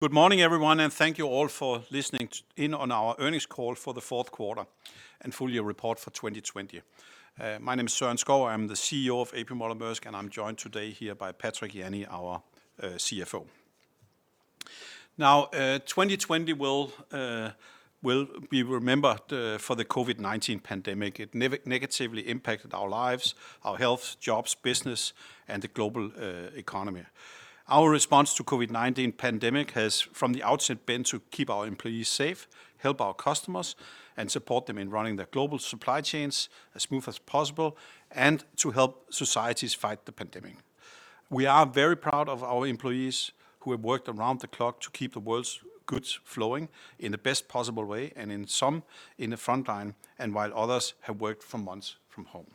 Good morning, everyone. Thank you all for listening in on our Earnings Call for the Q4 and Full-year Report for 2020. My name is Søren Skou. I'm the CEO of A.P. Moller - Maersk. I'm joined today here by Patrick Jany, our CFO. 2020 will be remembered for the COVID-19 pandemic. It negatively impacted our lives, our health, jobs, business, and the global economy. Our response to COVID-19 pandemic has, from the outset, been to keep our employees safe, help our customers, and support them in running their global supply chains as smooth as possible, and to help societies fight the pandemic. We are very proud of our employees who have worked around the clock to keep the world's goods flowing in the best possible way, and in some, in the front line, and while others have worked for months from home.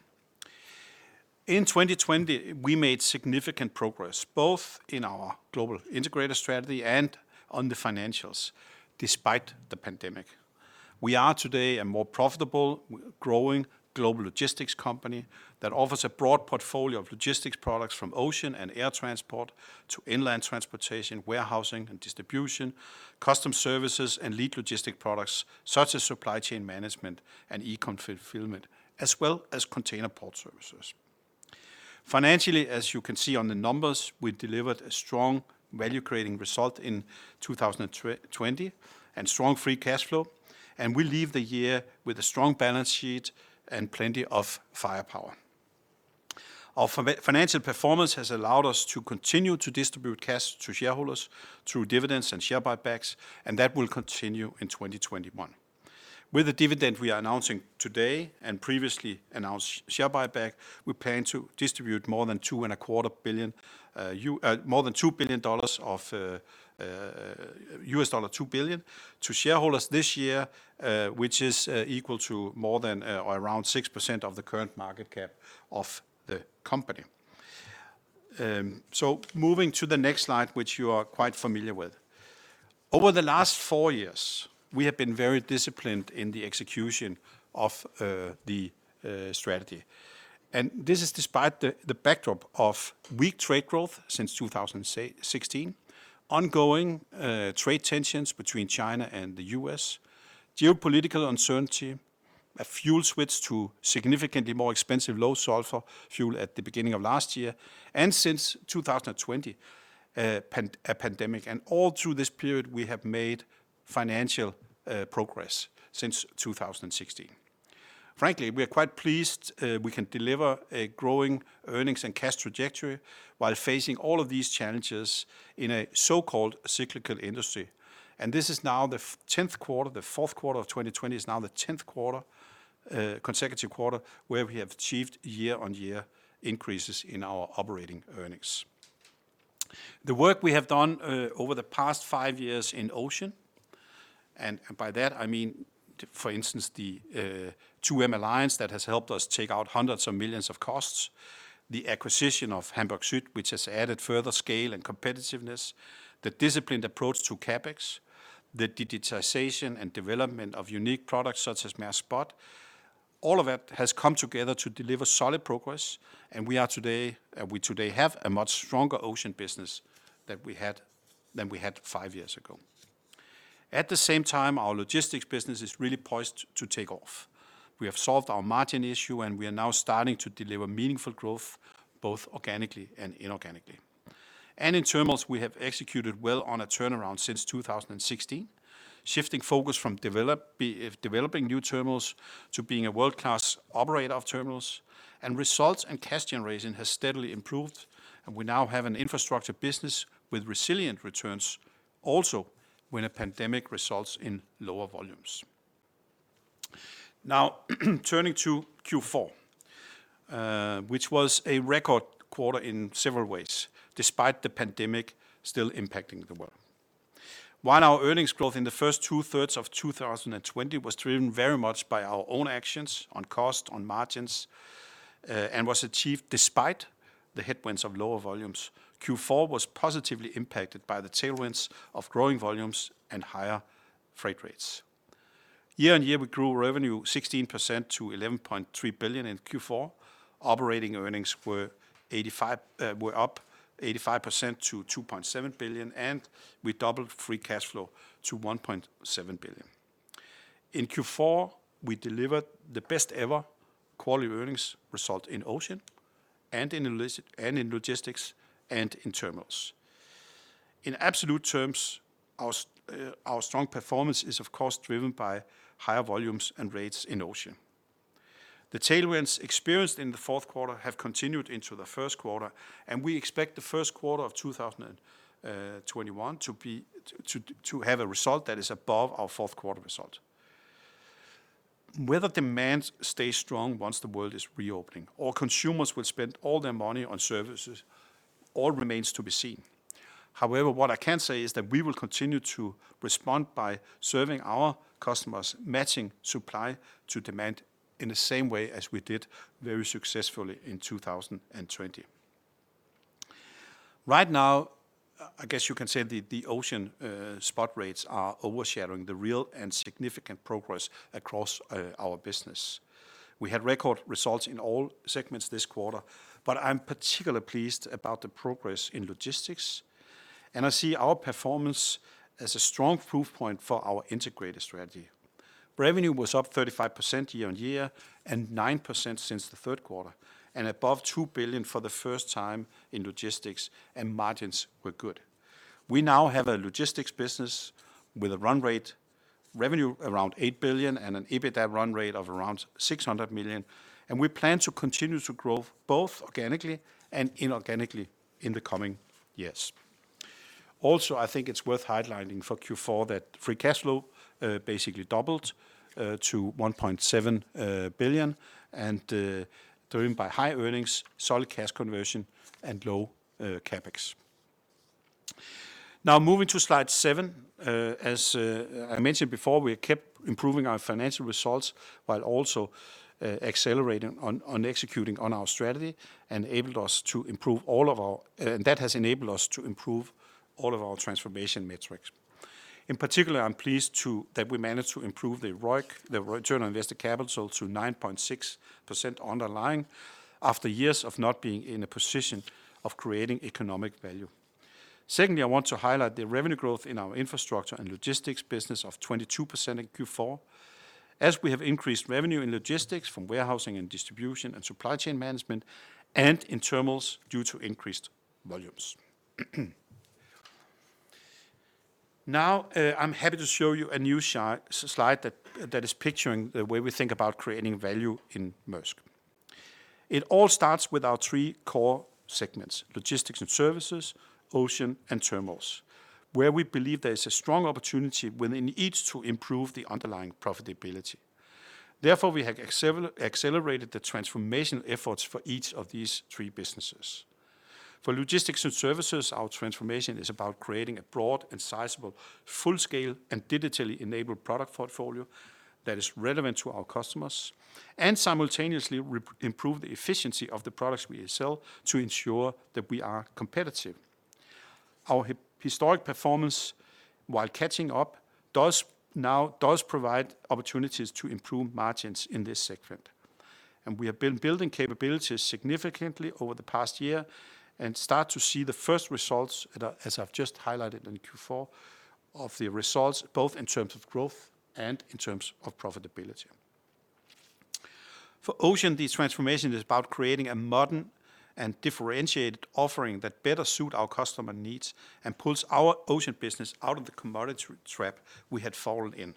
In 2020, we made significant progress both in our global integrated strategy and on the financials despite the pandemic. We are today a more profitable, growing global logistics company that offers a broad portfolio of logistics products from ocean and air transport to inland transportation, warehousing and distribution, customs services, and lead logistics products such as supply chain management and e-com fulfillment, as well as container port services. Financially, as you can see on the numbers, we delivered a strong value-creating result in 2020 and strong free cash flow, and we leave the year with a strong balance sheet and plenty of firepower. Our financial performance has allowed us to continue to distribute cash to shareholders through dividends and share buybacks, and that will continue in 2021. With the dividend we are announcing today and previously announced share buyback, we plan to distribute more than $2 billion to shareholders this year, which is equal to more than or around 6% of the current market cap of the company. Moving to the next slide, which you are quite familiar with. Over the last four years, we have been very disciplined in the execution of the strategy, and this is despite the backdrop of weak trade growth since 2016, ongoing trade tensions between China and the U.S., geopolitical uncertainty, a fuel switch to significantly more expensive low sulfur fuel at the beginning of last year, and since 2020, a pandemic. All through this period, we have made financial progress since 2016. Frankly, we are quite pleased we can deliver a growing earnings and cash trajectory while facing all of these challenges in a so-called cyclical industry. This is now the 10th quarter, the Q4 of 2020 is now the 10th consecutive quarter where we have achieved year-on-year increases in our operating earnings. The work we have done over the past five years in Ocean, and by that I mean, for instance, the 2M Alliance that has helped us take out hundreds of millions of costs, the acquisition of Hamburg Süd which has added further scale and competitiveness, the disciplined approach to CapEx, the digitization and development of unique products such as Maersk Spot. All of that has come together to deliver solid progress, and we today have a much stronger Ocean business than we had five years ago. At the same time, our logistics business is really poised to take off. We have solved our margin issue, and we are now starting to deliver meaningful growth both organically and inorganically. In terminals, we have executed well on a turnaround since 2016, shifting focus from developing new terminals to being a world-class operator of terminals, and results and cash generation has steadily improved, and we now have an infrastructure business with resilient returns also when a pandemic results in lower volumes. Turning to Q4, which was a record quarter in several ways despite the pandemic still impacting the world. While our earnings growth in the first 2/3 of 2020 was driven very much by our own actions on cost, on margins, and was achieved despite the headwinds of lower volumes, Q4 was positively impacted by the tailwinds of growing volumes and higher freight rates. Year-on-year, we grew revenue 16% to $11.3 billion in Q4. Operating earnings were up 85% to $2.7 billion, and we doubled free cash flow to $1.7 billion. In Q4, we delivered the best ever quarterly earnings result in Ocean and in Logistics and in Terminals. In absolute terms, our strong performance is, of course, driven by higher volumes and rates in Ocean. The tailwinds experienced in the fourth quarter have continued into the first quarter, and we expect the Q1 of 2021 to have a result that is above our Q4 result. Whether demand stays strong once the world is reopening or consumers will spend all their money on services, all remains to be seen. However, what I can say is that we will continue to respond by serving our customers, matching supply to demand in the same way as we did very successfully in 2020. Right now, I guess you can say the Ocean spot rates are overshadowing the real and significant progress across our business. We had record results in all segments this quarter, but I'm particularly pleased about the progress in logistics, and I see our performance as a strong proof point for our integrated strategy. Revenue was up 35% year-on-year and 9% since the Q3, and above $2 billion for the first time in logistics, and margins were good. We now have a logistics business with a run rate revenue around $8 billion and an EBITDA run rate of around $600 million. We plan to continue to grow both organically and inorganically in the coming years. Also, I think it's worth highlighting for Q4 that free cash flow basically doubled to $1.7 billion and driven by high earnings, solid cash conversion and low CapEx. Now moving to slide seven. As I mentioned before, we kept improving our financial results while also accelerating on executing on our strategy. That has enabled us to improve all of our transformation metrics. In particular, I'm pleased that we managed to improve the ROIC, the return on invested capital, to 9.6% underlying after years of not being in a position of creating economic value. Secondly, I want to highlight the revenue growth in our infrastructure and Logistics business of 22% in Q4, as we have increased revenue in Logistics from warehousing and distribution and supply chain management and in Terminals due to increased volumes. I'm happy to show you a new slide that is picturing the way we think about creating value in Maersk. It all starts with our three core segments, Logistics & Services, Ocean and Terminals & Towage, where we believe there is a strong opportunity within each to improve the underlying profitability. Therefore, we have accelerated the transformation efforts for each of these three businesses. For Logistics & Services, our transformation is about creating a broad and sizable full scale and digitally enabled product portfolio that is relevant to our customers, and simultaneously improve the efficiency of the products we sell to ensure that we are competitive. Our historic performance, while catching up, does provide opportunities to improve margins in this segment. We have been building capabilities significantly over the past year and start to see the first results, as I've just highlighted in Q4, of the results, both in terms of growth and in terms of profitability. For ocean, the transformation is about creating a modern and differentiated offering that better suit our customer needs and pulls our ocean business out of the commodity trap we had fallen in.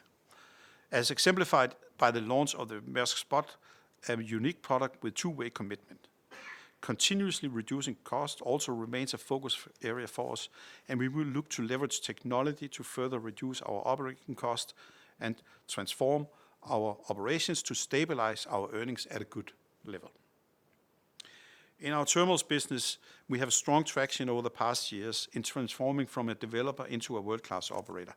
As exemplified by the launch of the Maersk Spot, a unique product with two-way commitment. Continuously reducing cost also remains a focus area for us. We will look to leverage technology to further reduce our operating cost and transform our operations to stabilize our earnings at a good level. In our terminals business, we have strong traction over the past years in transforming from a developer into a world-class operator,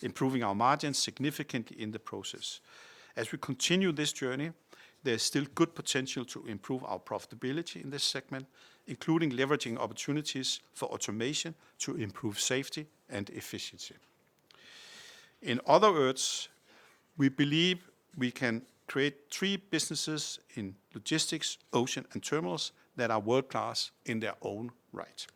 improving our margins significantly in the process. As we continue this journey, there is still good potential to improve our profitability in this segment, including leveraging opportunities for automation to improve safety and efficiency. In other words, we believe we can create three businesses in Logistics, Ocean, and Terminals that are world-class in their own right.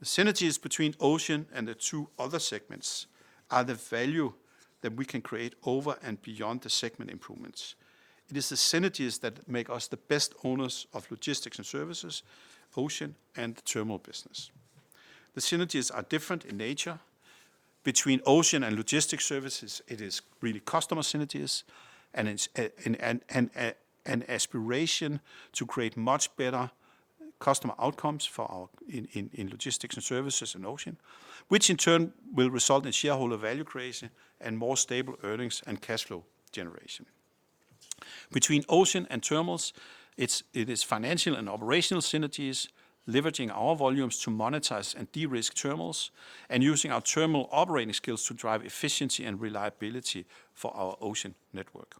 The synergies between Ocean and the two other segments are the value that we can create over and beyond the segment improvements. It is the synergies that make us the best owners of Logistics & Services, Ocean, and Terminals business. The synergies are different in nature. Between Ocean and Logistics & Services, it is really customer synergies and aspiration to create much better customer outcomes in Logistics & Services and Ocean, which in turn will result in shareholder value creation and more stable earnings and cash flow generation. Between Ocean and Terminals, it is financial and operational synergies, leveraging our volumes to monetize and de-risk Terminals, and using our Terminals operating skills to drive efficiency and reliability for our Ocean network.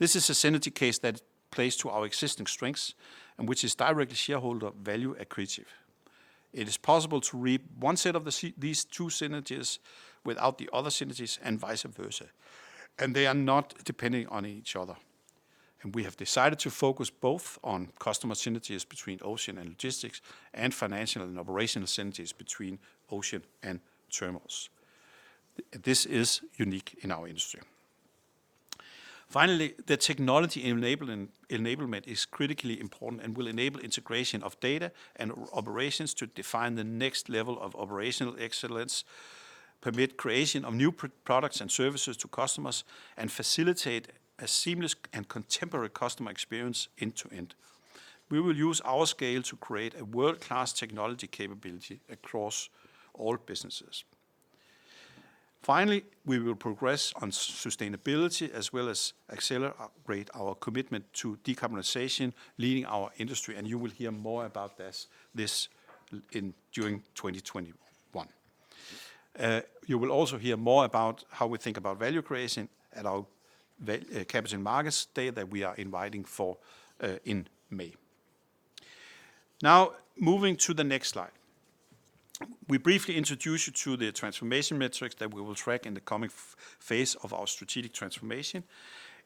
This is a synergy case that plays to our existing strengths and which is directly shareholder value accretive. It is possible to reap one set of these two synergies without the other synergies and vice versa, and they are not depending on each other. We have decided to focus both on customer synergies between Ocean and Logistics and financial and operational synergies between Ocean and Terminals. This is unique in our industry. The technology enablement is critically important and will enable integration of data and operations to define the next level of operational excellence, permit creation of new products and services to customers, and facilitate a seamless and contemporary customer experience end to end. We will use our scale to create a world-class technology capability across all businesses. Finally, we will progress on sustainability as well as accelerate our commitment to decarbonization, leading our industry, and you will hear more about this during 2021. You will also hear more about how we think about value creation at our Capital Markets Day that we are inviting for in May. Now, moving to the next slide. We briefly introduce you to the transformation metrics that we will track in the coming phase of our strategic transformation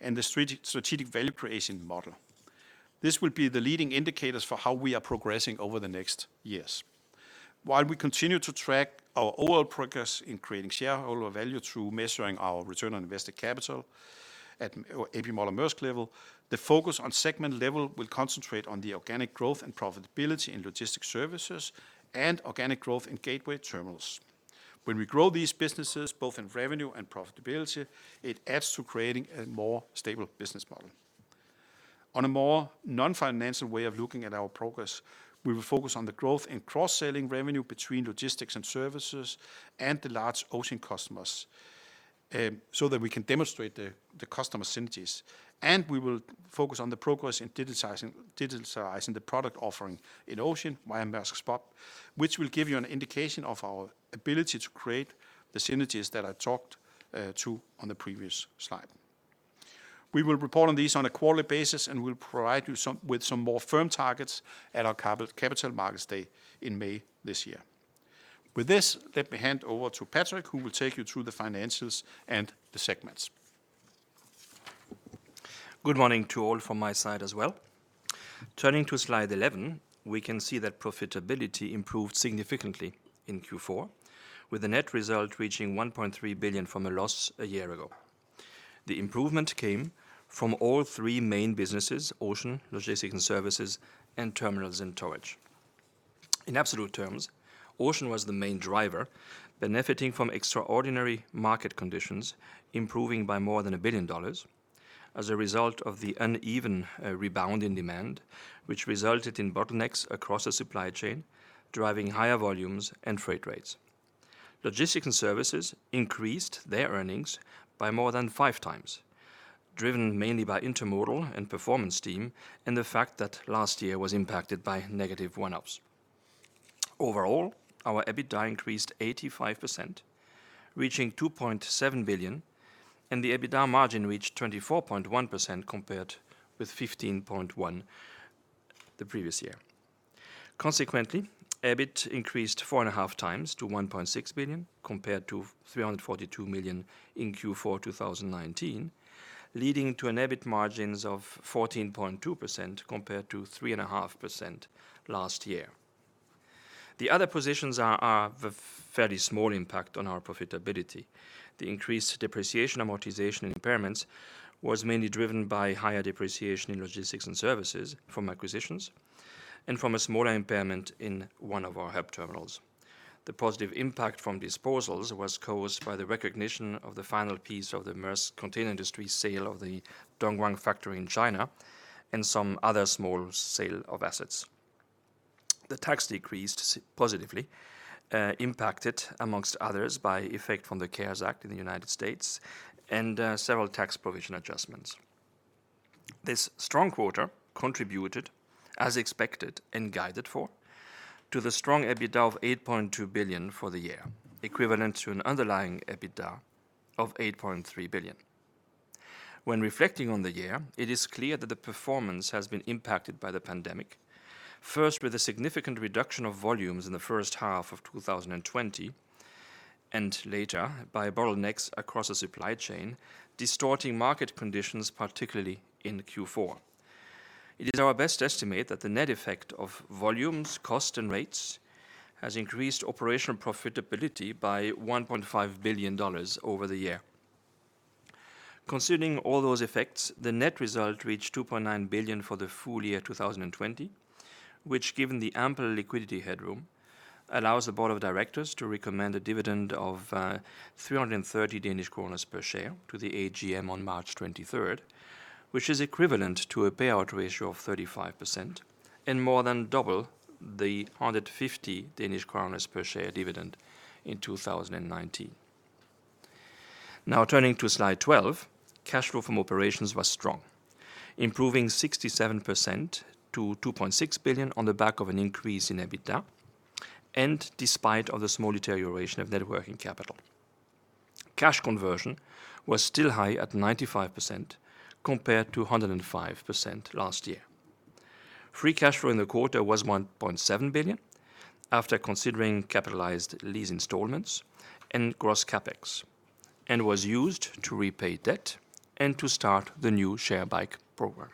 and the strategic value creation model. This will be the leading indicators for how we are progressing over the next years. While we continue to track our overall progress in creating shareholder value through measuring our return on invested capital at A.P. Moller - Maersk level, the focus on segment level will concentrate on the organic growth and profitability in Logistics & Services and organic growth in gateway terminals. When we grow these businesses, both in revenue and profitability, it adds to creating a more stable business model. On a more non-financial way of looking at our progress, we will focus on the growth in cross-selling revenue between Logistics & Services and the large ocean customers, that we can demonstrate the customer synergies. We will focus on the progress in digitalizing the product offering in Ocean by Maersk Spot, which will give you an indication of our ability to create the synergies that I talked to on the previous slide. We will report on these on a quarterly basis, and we'll provide you with some more firm targets at our Capital Markets Day in May this year. With this, let me hand over to Patrick, who will take you through the financials and the segments. Good morning to all from my side as well. Turning to slide 11, we can see that profitability improved significantly in Q4, with a net result reaching $1.3 billion from a loss a year ago. The improvement came from all three main businesses, Ocean, Logistics & Services, and Terminals & Towage. In absolute terms, Ocean was the main driver, benefiting from extraordinary market conditions, improving by more than $1 billion as a result of the uneven rebound in demand, which resulted in bottlenecks across the supply chain, driving higher volumes and freight rates. Logistics & Services increased their earnings by more than five times, driven mainly by intermodal and Performance Team, and the fact that last year was impacted by negative one-offs. Overall, our EBITDA increased 85%, reaching $2.7 billion, and the EBITDA margin reached 24.1% compared with 15.1% the previous year. Consequently, EBIT increased 4.5 times to $1.6 billion, compared to $342 million in Q4 2019, leading to an EBIT margins of 14.2% compared to 3.5% last year. The other positions have a fairly small impact on our profitability. The increased depreciation amortization and impairments was mainly driven by higher depreciation in Logistics & Services from acquisitions and from a smaller impairment in one of our hub terminals. The positive impact from disposals was caused by the recognition of the final piece of the Maersk Container Industry sale of the Dongguan factory in China and some other small sale of assets. The tax decreased positively, impacted amongst others by effect from the CARES Act in the United States and several tax provision adjustments. This strong quarter contributed, as expected and guided for, to the strong EBITDA of $8.2 billion for the year, equivalent to an underlying EBITDA of $8.3 billion. When reflecting on the year, it is clear that the performance has been impacted by the pandemic, first with a significant reduction of volumes in the H1 of 2020, and later by bottlenecks across the supply chain, distorting market conditions, particularly in Q4. It is our best estimate that the net effect of volumes, cost, and rates has increased operational profitability by $1.5 billion over the year. Considering all those effects, the net result reached 2.9 billion for the full-year 2020, which, given the ample liquidity headroom, allows the board of directors to recommend a dividend of 330 Danish kroner per share to the AGM on March 23rd, which is equivalent to a payout ratio of 35% and more than double the 150 Danish kroner per share dividend in 2019. Turning to slide 12, cash flow from operations was strong, improving 67% to 2.6 billion on the back of an increase in EBITDA and despite of the small deterioration of net working capital. Cash conversion was still high at 95% compared to 105% last year. Free cash flow in the quarter was $1.7 billion after considering capitalized lease installments and gross CapEx and was used to repay debt and to start the new share buyback program.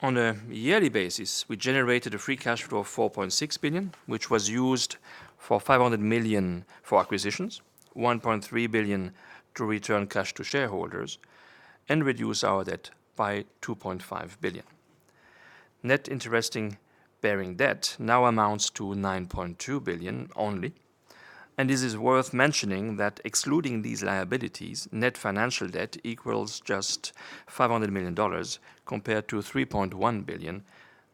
On a yearly basis, we generated a free cash flow of $4.6 billion, which was used for $500 million for acquisitions, $1.3 billion to return cash to shareholders, and reduce our debt by $2.5 billion. Net interest-bearing debt now amounts to $9.2 billion only. It is worth mentioning that excluding these liabilities, net financial debt equals just $500 million compared to $3.1 billion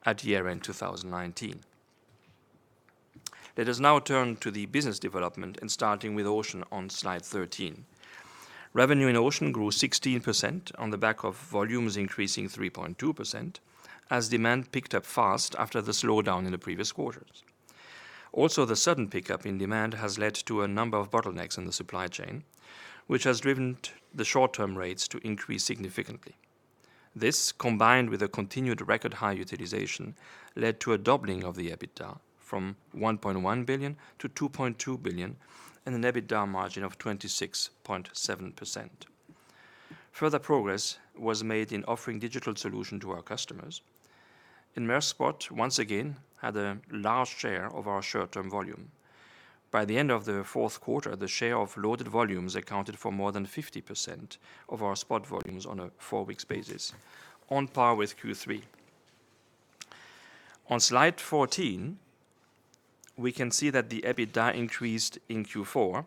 at year-end 2019. Let us now turn to the business development and starting with Ocean on slide 13. Revenue in Ocean grew 16% on the back of volumes increasing 3.2% as demand picked up fast after the slowdown in the previous quarters. Also, the sudden pickup in demand has led to a number of bottlenecks in the supply chain, which has driven the short-term rates to increase significantly. This, combined with a continued record high utilization, led to a doubling of the EBITDA from $1.1 billion-$2.2 billion and an EBITDA margin of 26.7%. Further progress was made in offering digital solution to our customers. In Maersk Spot, once again, had a large share of our short-term volume. By the end of the fourth quarter, the share of loaded volumes accounted for more than 50% of our spot volumes on a four-weeks basis, on par with Q3. On slide 14, we can see that the EBITDA increased in Q4,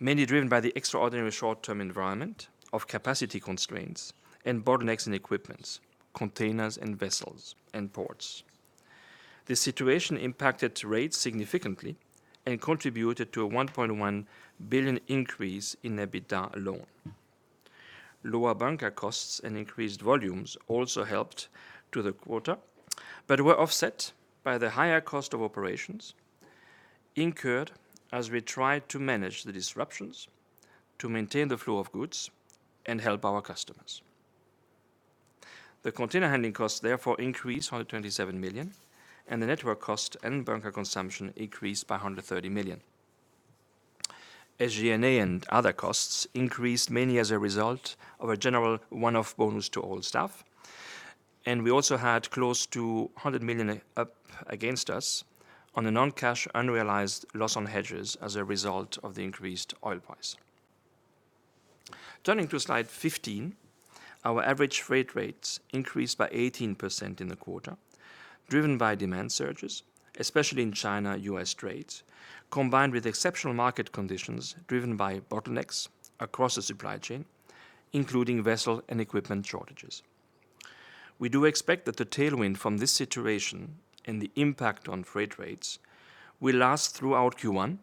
mainly driven by the extraordinary short-term environment of capacity constraints and bottlenecks in equipments, containers, and vessels and ports. The situation impacted rates significantly and contributed to a $1.1 billion increase in EBITDA alone. Lower bunker costs and increased volumes also helped to the quarter, but were offset by the higher cost of operations incurred as we tried to manage the disruptions to maintain the flow of goods and help our customers. The container handling costs therefore increased $127 million, and the network cost and bunker consumption increased by $130 million. SG&A and other costs increased mainly as a result of a general one-off bonus to all staff. We also had close to $100 million up against us on a non-cash unrealized loss on hedges as a result of the increased oil price. Turning to slide 15, our average freight rates increased by 18% in the quarter, driven by demand surges, especially in China, U.S. trades, combined with exceptional market conditions driven by bottlenecks across the supply chain, including vessel and equipment shortages. We do expect that the tailwind from this situation and the impact on freight rates will last throughout Q1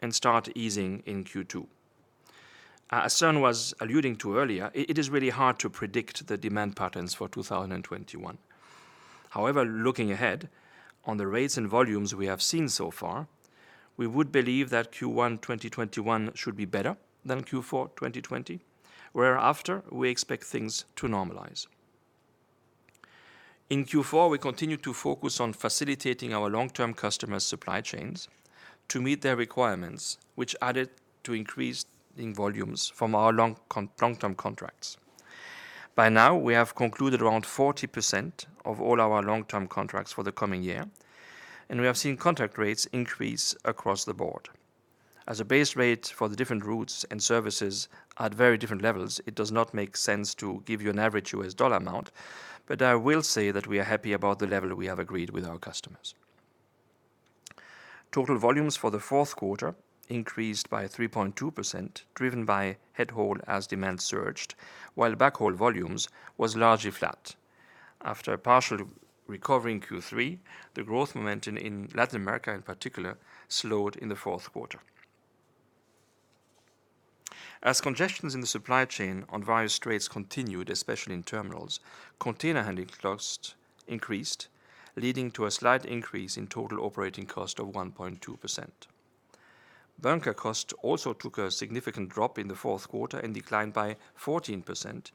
and start easing in Q2. As Søren was alluding to earlier, it is really hard to predict the demand patterns for 2021. Looking ahead on the rates and volumes we have seen so far, we would believe that Q1 2021 should be better than Q4 2020, whereafter we expect things to normalize. In Q4, we continued to focus on facilitating our long-term customers' supply chains to meet their requirements, which added to increasing volumes from our long-term contracts. By now, we have concluded around 40% of all our long-term contracts for the coming year, and we have seen contract rates increase across the board. As a base rate for the different routes and services at very different levels, it does not make sense to give you an average US dollar amount, but I will say that we are happy about the level we have agreed with our customers. Total volumes for the Q4 increased by 3.2%, driven by head haul as demand surged, while backhaul volumes was largely flat. After a partial recovery in Q3, the growth momentum in Latin America in particular slowed in the fourth quarter. As congestions in the supply chain on various trades continued, especially in terminals, container handling costs increased, leading to a slight increase in total operating cost of 1.2%. Bunker cost also took a significant drop in the fourth quarter and declined by 14%,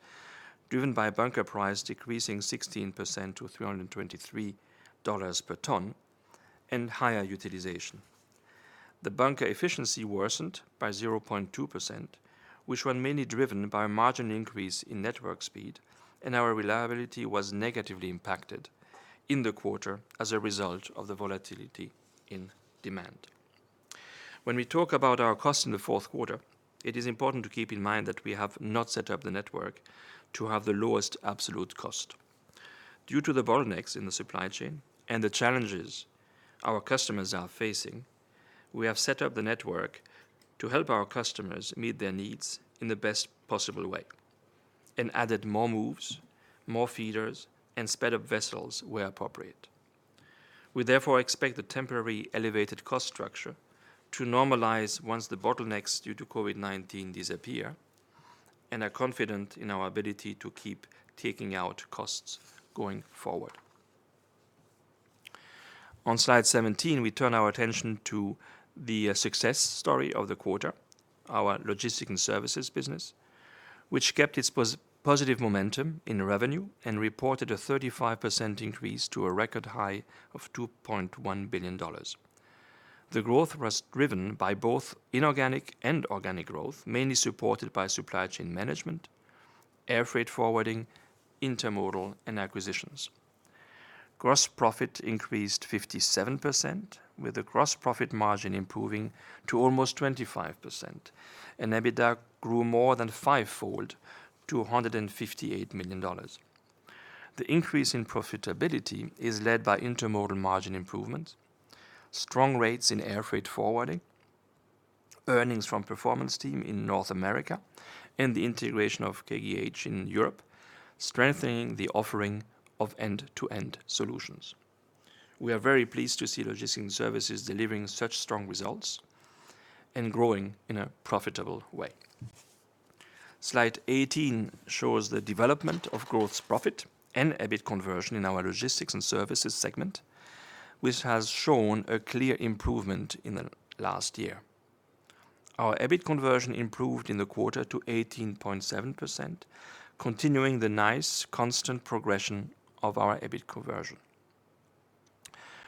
driven by bunker price decreasing 16% to $323 per ton and higher utilization. The bunker efficiency worsened by 0.2%, which was mainly driven by a marginal increase in network speed, and our reliability was negatively impacted in the quarter as a result of the volatility in demand. When we talk about our cost in the Q4, it is important to keep in mind that we have not set up the network to have the lowest absolute cost. Due to the bottlenecks in the supply chain and the challenges our customers are facing, we have set up the network to help our customers meet their needs in the best possible way and added more moves, more feeders, and sped up vessels where appropriate. We therefore expect the temporary elevated cost structure to normalize once the COVID-19 bottlenecks disappear, and are confident in our ability to keep taking out costs going forward. On slide 17, we turn our attention to the success story of the quarter, our Logistics & Services business, which kept its positive momentum in revenue and reported a 35% increase to a record high of $2.1 billion. The growth was driven by both inorganic and organic growth, mainly supported by supply chain management, air freight forwarding, intermodal, and acquisitions. Gross profit increased 57%, with the gross profit margin improving to almost 25%, and EBITDA grew more than fivefold to $158 million. The increase in profitability is led by intermodal margin improvement, strong rates in air freight forwarding, earnings from Performance Team in North America, and the integration of KGH in Europe, strengthening the offering of end-to-end solutions. We are very pleased to see Logistics & Services delivering such strong results and growing in a profitable way. Slide 18 shows the development of gross profit and EBIT conversion in our Logistics & Services segment, which has shown a clear improvement in the last year. Our EBIT conversion improved in the quarter to 18.7%, continuing the nice constant progression of our EBIT conversion.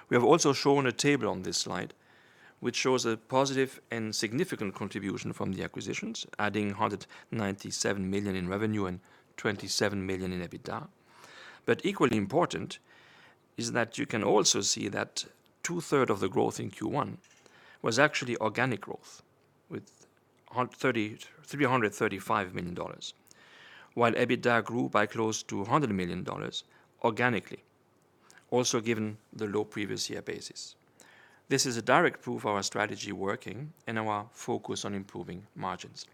We have also shown a table on this slide which shows a positive and significant contribution from the acquisitions, adding $197 million in revenue and $27 million in EBITDA. Equally important is that you can also see that two-third of the growth in Q1 was actually organic growth with $335 million, while EBITDA grew by close to $100 million organically, also given the low previous year basis. This is a direct proof our strategy working and our focus on improving margins.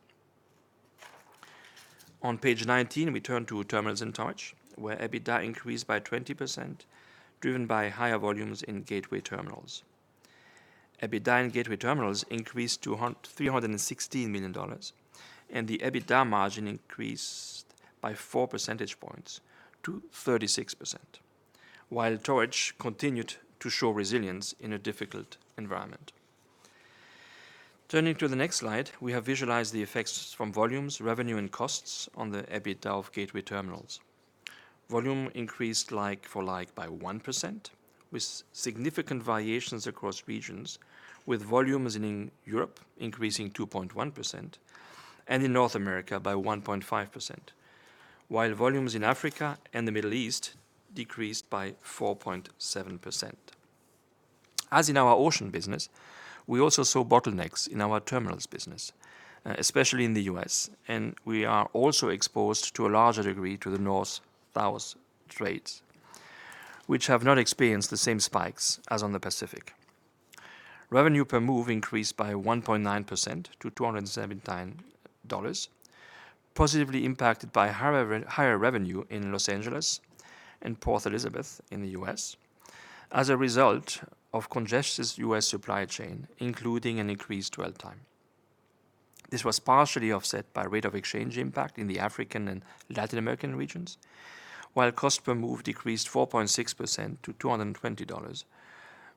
On page 19, we turn to Terminals & Towage, where EBITDA increased by 20%, driven by higher volumes in gateway terminals. EBITDA in Gateway Terminals increased to $316 million, and the EBITDA margin increased by 4% points to 36%, while Towage continued to show resilience in a difficult environment. Turning to the next slide, we have visualized the effects from volumes, revenue, and costs on the EBITDA of Gateway Terminals. Volume increased like for like by 1%, with significant variations across regions, with volumes in Europe increasing 2.1% and in North America by 1.5%, while volumes in Africa and the Middle East decreased by 4.7%. As in our ocean business, we also saw bottlenecks in our terminals business, especially in the U.S., and we are also exposed to a larger degree to the North-South trades, which have not experienced the same spikes as on the Pacific. Revenue per move increased by 1.9% to $217, positively impacted by higher revenue in Los Angeles and Port Elizabeth in the U.S. as a result of congested U.S. supply chain, including an increased dwell time. This was partially offset by rate of exchange impact in the African and Latin American regions, while cost per move decreased 4.6% to $220,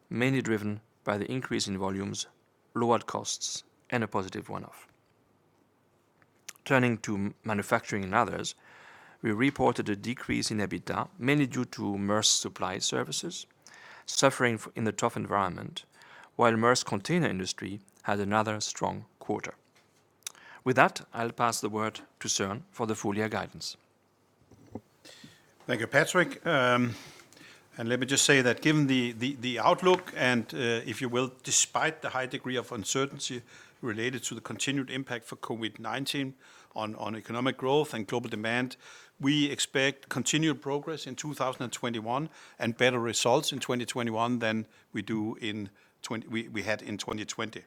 mainly driven by the increase in volumes, lowered costs, and a positive one-off. Turning to manufacturing and others, we reported a decrease in EBITDA, mainly due to Maersk Supply Service suffering in the tough environment, while Maersk Container Industry had another strong quarter. With that, I'll pass the word to Søren for the full-year guidance. Thank you, Patrick. Let me just say that given the outlook and, if you will, despite the high degree of uncertainty related to the continued impact for COVID-19 on economic growth and global demand, we expect continued progress in 2021 and better results in 2021 than we had in 2020.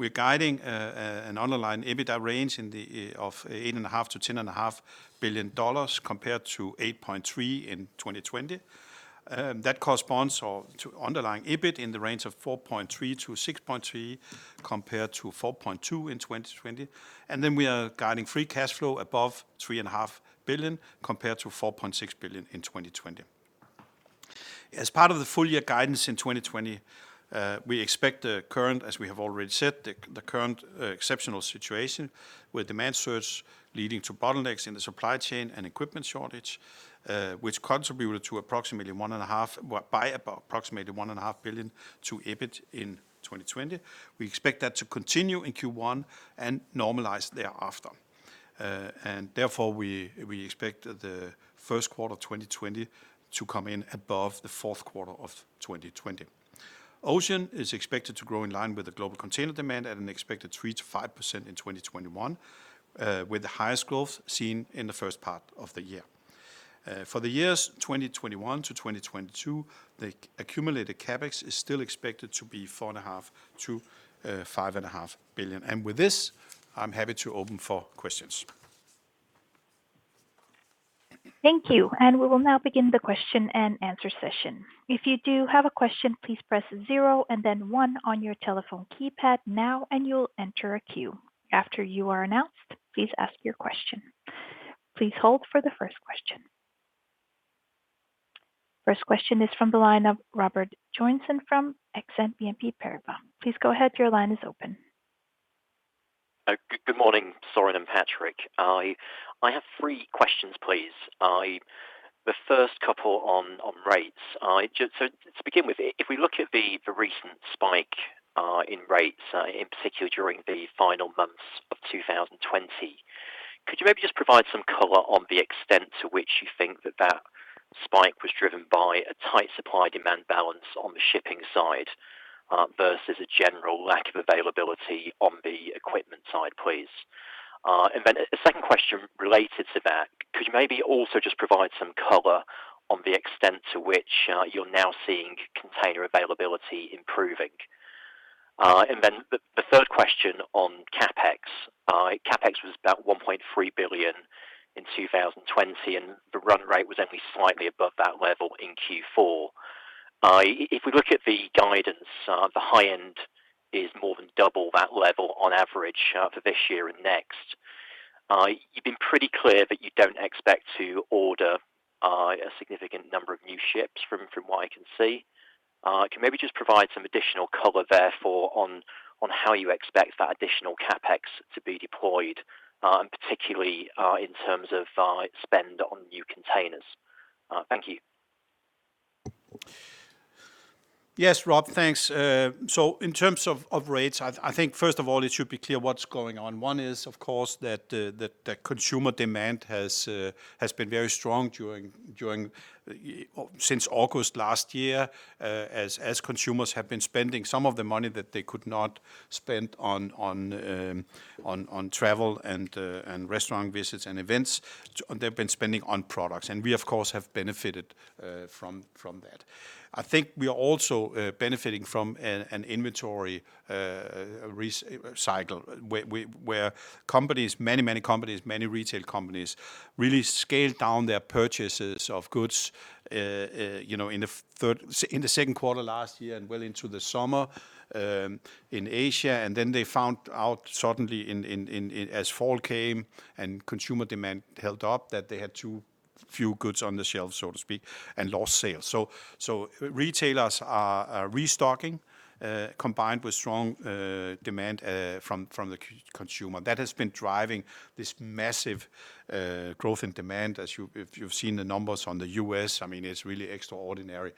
We're guiding an underlying EBITDA range of $8.5 billion-$10.5 billion compared to $8.3 billion in 2020. That corresponds to underlying EBIT in the range of $4.3 billion-$6.3 billion compared to $4.2 billion in 2020. Then we are guiding free cash flow above $3.5 billion compared to $4.6 billion in 2020. As part of the full-year guidance in 2020, we expect the current exceptional situation with demand surge leading to bottlenecks in the supply chain and equipment shortage, which contributed by approximately $1.5 billion to EBIT in 2020. We expect that to continue in Q1 and normalize thereafter. Therefore, we expect the Q1 2021 to come in above the Q4 of 2020. Ocean is expected to grow in line with the global container demand at an expected 3%-5% in 2021, with the highest growth seen in the first part of the year. For the years 2021 to 2022, the accumulated CapEx is still expected to be $4.5 billion-$5.5 billion. With this, I'm happy to open for questions. Thank you. We will now begin the question and answer session. If you do have a question please press zero and then one on your telephone keypad now and you'll enter a queue. After you are announced please ask your question. Please hold for the first question. First question is from the line of Robert Joynson from Exane BNP Paribas. Please go ahead. Good morning, Søren and Patrick. I have three questions, please. The first couple on rates. To begin with, if we look at the recent spike in rates, in particular during the final months of 2020, could you maybe just provide some color on the extent to which you think that that spike was driven by a tight supply-demand balance on the shipping side versus a general lack of availability on the equipment side, please? A second question related to that, could you maybe also just provide some color on the extent to which you're now seeing container availability improving? The third question on CapEx. CapEx was about $1.3 billion in 2020, the run rate was only slightly above that level in Q4. If we look at the guidance, the high end is more than double that level on average for this year and next. You've been pretty clear that you don't expect to order a significant number of new ships from what I can see. Can you maybe just provide some additional color therefore on how you expect that additional CapEx to be deployed, and particularly in terms of spend on new containers? Thank you. Yes, Rob. Thanks. In terms of rates, I think first of all, it should be clear what's going on. One is, of course, that consumer demand has been very strong since August last year, as consumers have been spending some of the money that they could not spend on travel and restaurant visits and events, they've been spending on products. We, of course, have benefited from that. I think we are also benefiting from an inventory cycle, where many retail companies really scaled down their purchases of goods in the second quarter last year and well into the summer in Asia. They found out suddenly as fall came and consumer demand held up, that they had too few goods on the shelves, so to speak, and lost sales. Retailers are restocking, combined with strong demand from the consumer. That has been driving this massive growth in demand. If you've seen the numbers on the U.S., it's really extraordinary.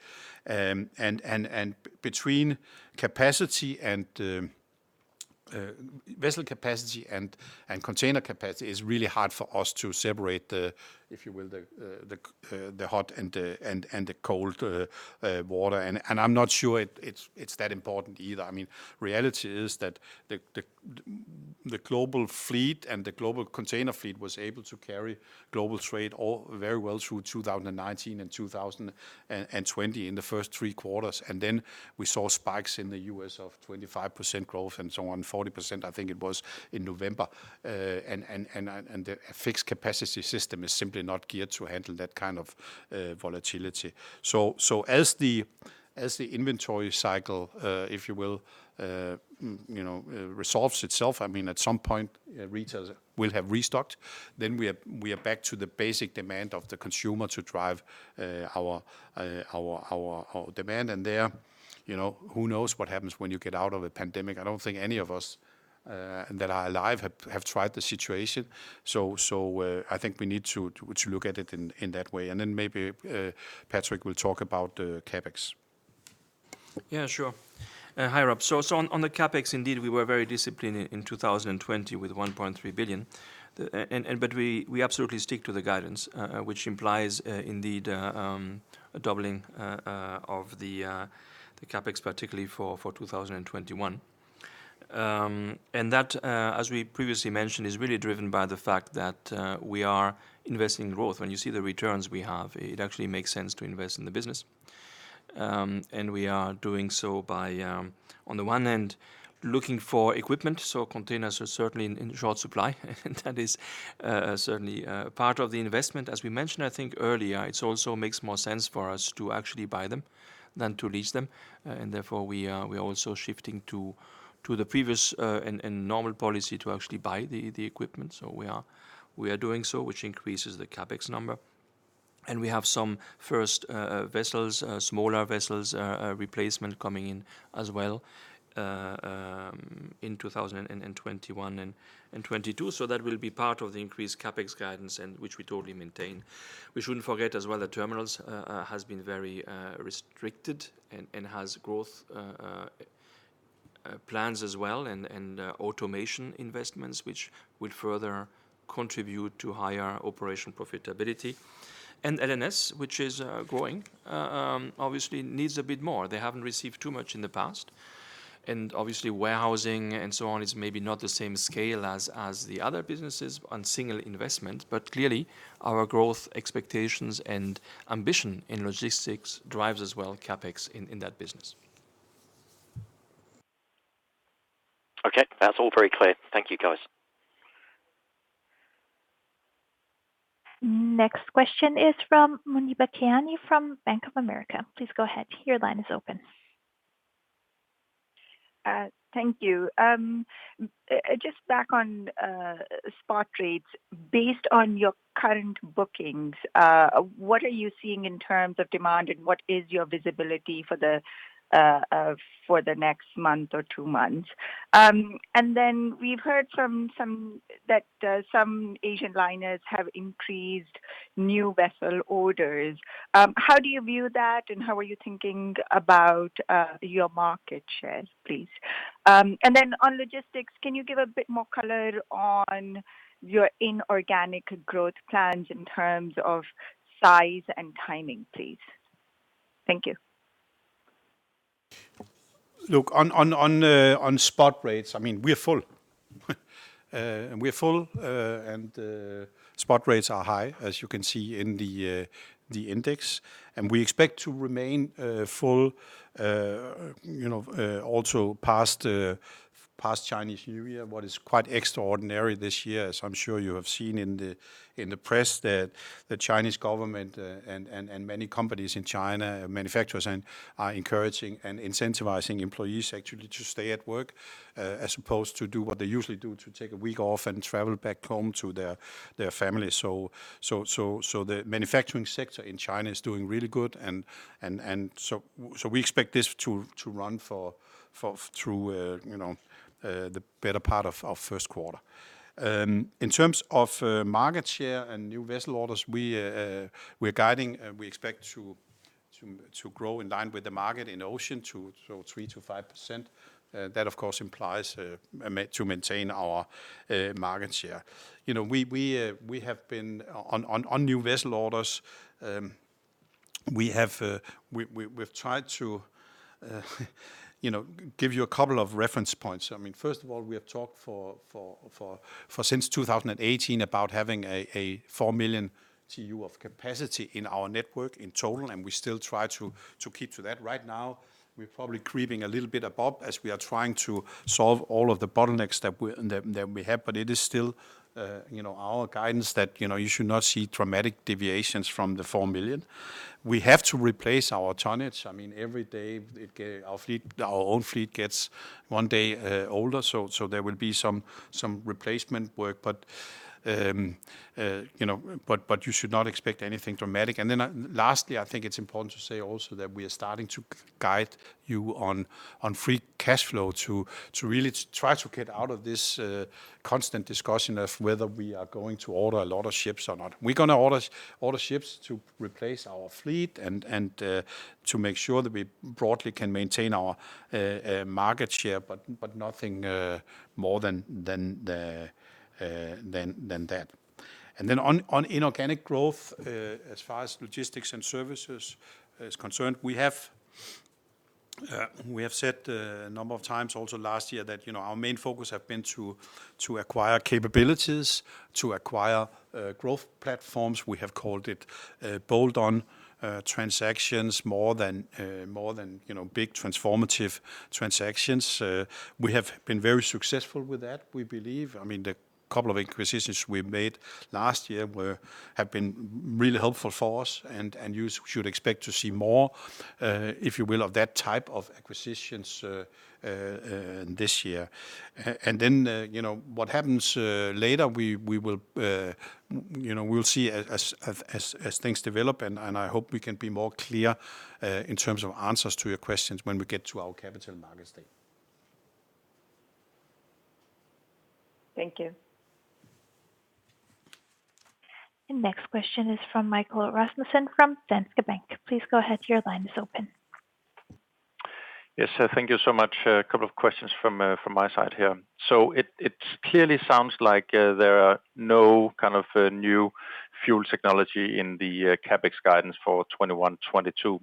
Between vessel capacity and container capacity, it's really hard for us to separate the, if you will, the hot and the cold water. I'm not sure it's that important either. Reality is that the global fleet and the global container fleet was able to carry global trade all very well through 2019 and 2020 in the first three quarters. Then we saw spikes in the U.S. of 25% growth and so on, 40% I think it was in November. The fixed capacity system is simply not geared to handle that kind of volatility. As the inventory cycle, if you will, resolves itself, at some point retailers will have restocked, then we are back to the basic demand of the consumer to drive our demand. There, who knows what happens when you get out of a pandemic. I don't think any of us that are alive have tried the situation. I think we need to look at it in that way, and then maybe Patrick will talk about the CapEx. Yeah, sure. Hi, Rob. On the CapEx, indeed, we were very disciplined in 2020 with $1.3 billion. We absolutely stick to the guidance, which implies indeed a doubling of the CapEx, particularly for 2021. That, as we previously mentioned, is really driven by the fact that we are investing in growth. When you see the returns we have, it actually makes sense to invest in the business. We are doing so by, on the one end, looking for equipment. Containers are certainly in short supply, and that is certainly part of the investment. As we mentioned, I think earlier, it also makes more sense for us to actually buy them than to lease them. Therefore, we are also shifting to the previous and normal policy to actually buy the equipment. We are doing so, which increases the CapEx number. We have some first vessels, smaller vessels replacement coming in as well in 2021 and 2022. That will be part of the increased CapEx guidance and which we totally maintain. We shouldn't forget as well that Terminals has been very restricted and has growth plans as well and automation investments, which will further contribute to higher operation profitability. L&S, which is growing, obviously needs a bit more. They haven't received too much in the past. Obviously warehousing and so on is maybe not the same scale as the other businesses on single investment. Clearly our growth expectations and ambition in Logistics drives as well CapEx in that business. Okay. That's all very clear. Thank you, guys. Next question is from Muneeba Kayani from Bank of America. Please go ahead, your line is open. Thank you. Just back on spot rates. Based on your current bookings, what are you seeing in terms of demand, and what is your visibility for the next month or two months? We've heard that some Asian liners have increased new vessel orders. How do you view that, and how are you thinking about your market share, please? On logistics, can you give a bit more color on your inorganic growth plans in terms of size and timing, please? Thank you. Look, on spot rates, we are full. We are full, and spot rates are high, as you can see in the index. We expect to remain full also past Chinese New Year. What is quite extraordinary this year, as I am sure you have seen in the press, that the Chinese government and many companies in China, manufacturers, are encouraging and incentivizing employees actually to stay at work, as opposed to do what they usually do, to take a week off and travel back home to their families. The manufacturing sector in China is doing really good, we expect this to run through the better part of first quarter. In terms of market share and new vessel orders, we expect to grow in line with the market in Ocean, 3%-5%. That, of course, implies to maintain our market share. On new vessel orders. We've tried to give you a couple of reference points. We have talked since 2018 about having a 4 million TEU of capacity in our network in total, and we still try to keep to that. Right now, we're probably creeping a little bit above as we are trying to solve all of the bottlenecks that we have, but it is still our guidance that you should not see dramatic deviations from the 4 million. We have to replace our tonnage. Every day our own fleet gets one day older, so there will be some replacement work. You should not expect anything dramatic. Lastly, I think it's important to say also that we are starting to guide you on free cash flow to really try to get out of this constant discussion of whether we are going to order a lot of ships or not. We're going to order ships to replace our fleet and to make sure that we broadly can maintain our market share, but nothing more than that. On inorganic growth, as far as Logistics & Services is concerned, we have said a number of times also last year that our main focus have been to acquire capabilities, to acquire growth platforms. We have called it bolt-on transactions more than big transformative transactions. We have been very successful with that, we believe. The couple of acquisitions we made last year have been really helpful for us, and you should expect to see more, if you will, of that type of acquisitions this year. What happens later, we'll see as things develop, and I hope we can be more clear, in terms of answers to your questions, when we get to our Capital Markets Day. Thank you. The next question is from Michael Rasmussen from Danske Bank. Please go ahead. Your line is open. Yes, thank you so much. A couple of questions from my side here. It clearly sounds like there are no new fuel technology in the CapEx guidance for 2021, 2022.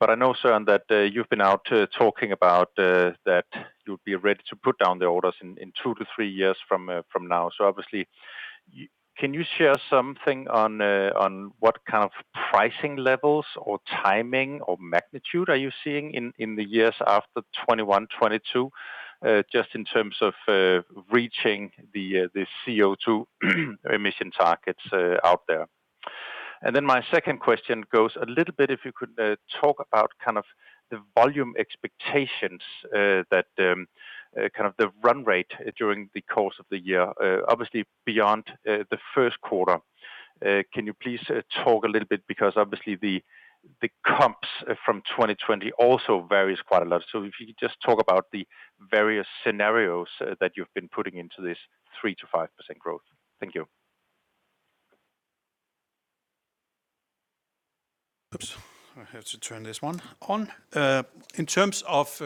I know, Søren, that you've been out talking about that you'll be ready to put down the orders in two to three years from now. Obviously, can you share something on what kind of pricing levels or timing or magnitude are you seeing in the years after 2021, 2022, just in terms of reaching the CO2 emission targets out there? My second question goes a little bit, if you could talk about the volume expectations that the run rate during the course of the year, obviously beyond the first quarter. Can you please talk a little bit, because obviously the comps from 2020 also varies quite a lot. If you could just talk about the various scenarios that you've been putting into this 3%-5% growth. Thank you. Oops. I have to turn this one on. In terms of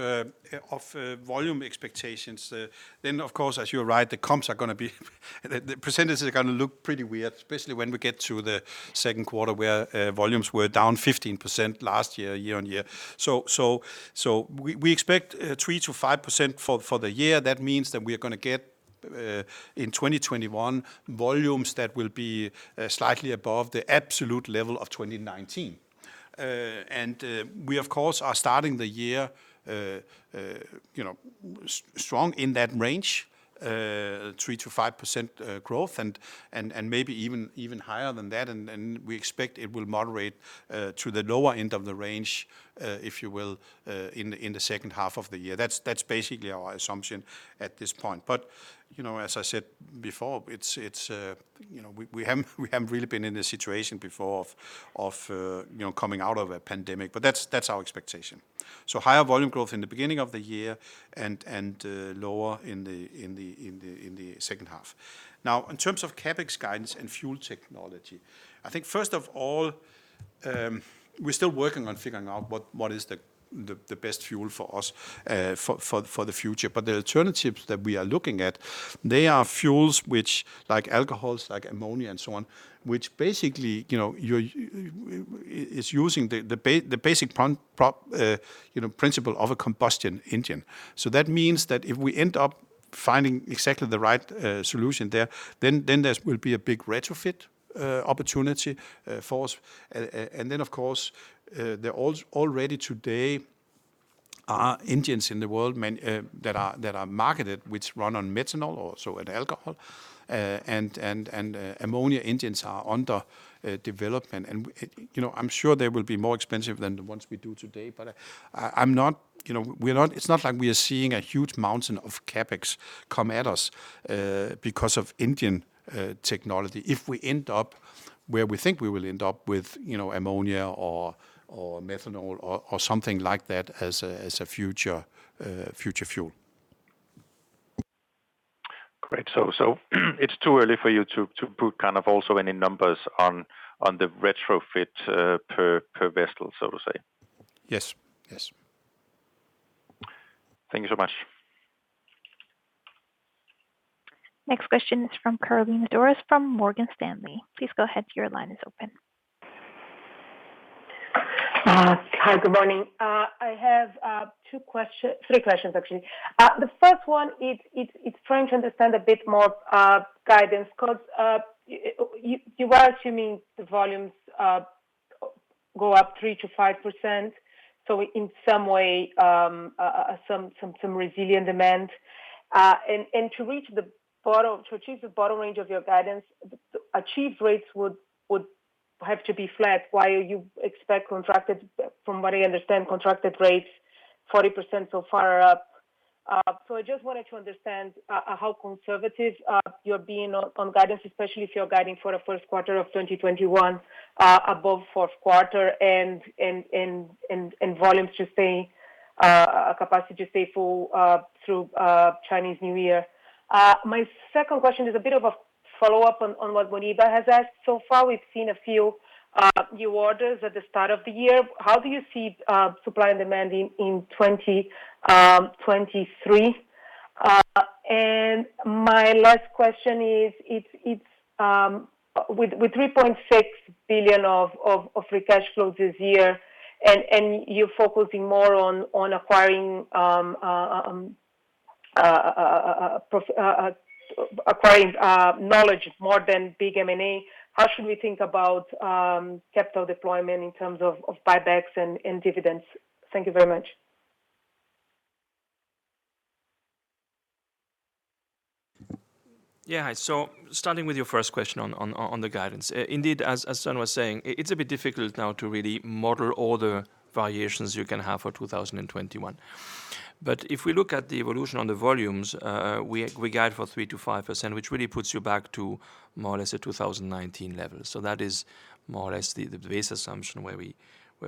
volume expectations, then of course, as you're right, the percentages are going to look pretty weird, especially when we get to the second quarter where volumes were down 15% last year-over-year. We expect 3%-5% for the year. That means that we are going to get, in 2021, volumes that will be slightly above the absolute level of 2019. We, of course, are starting the year strong in that range, 3%-5% growth and maybe even higher than that, and we expect it will moderate to the lower end of the range, if you will, in the second half of the year. That's basically our assumption at this point. As I said before, we haven't really been in a situation before of coming out of a pandemic, but that's our expectation. Higher volume growth in the beginning of the year and lower in the second half. Now, in terms of CapEx guidance and fuel technology, I think first of all, we're still working on figuring out what is the best fuel for us for the future. The alternatives that we are looking at, they are fuels which, like alcohols, like ammonia and so on, which basically is using the basic principle of a combustion engine. That means that if we end up finding exactly the right solution there, then there will be a big retrofit opportunity for us. Then, of course, there already today are engines in the world that are marketed, which run on methanol, also an alcohol, and ammonia engines are under development. I'm sure they will be more expensive than the ones we do today, but it's not like we are seeing a huge mountain of CapEx come at us because of engine technology if we end up where we think we will end up with ammonia or methanol or something like that as a future fuel. Great. It's too early for you to put also any numbers on the retrofit per vessel, so to say. Yes. Thank you so much. Next question is from Carolina Dores from Morgan Stanley. Please go ahead. Your line is open. Hi. Good morning. I have three questions, actually. The first one is trying to understand a bit more guidance, because you were assuming the volumes go up 3%-5%, so in some way, some resilient demand. To achieve the bottom range of your guidance, achieved rates would have to be flat, while you expect, from what I understand, contracted rates 40% or far up. I just wanted to understand how conservative you're being on guidance, especially if you're guiding for the Q1 of 2021 above fourth quarter and volumes to stay, capacity to stay full through Chinese New Year. My second question is a bit of a follow-up on what Muneeba has asked. Far, we've seen a few new orders at the start of the year. How do you see supply and demand in 2023? My last question is, with $3.6 billion of free cash flows this year, and you're focusing more on acquiring knowledge more than big M&A, how should we think about capital deployment in terms of buybacks and dividends? Thank you very much. Yeah. Starting with your first question on the guidance. Indeed, as Søren was saying, it's a bit difficult now to really model all the variations you can have for 2021. If we look at the evolution on the volumes, we guide for 3%-5%, which really puts you back to more or less a 2019 level. That is more or less the base assumption where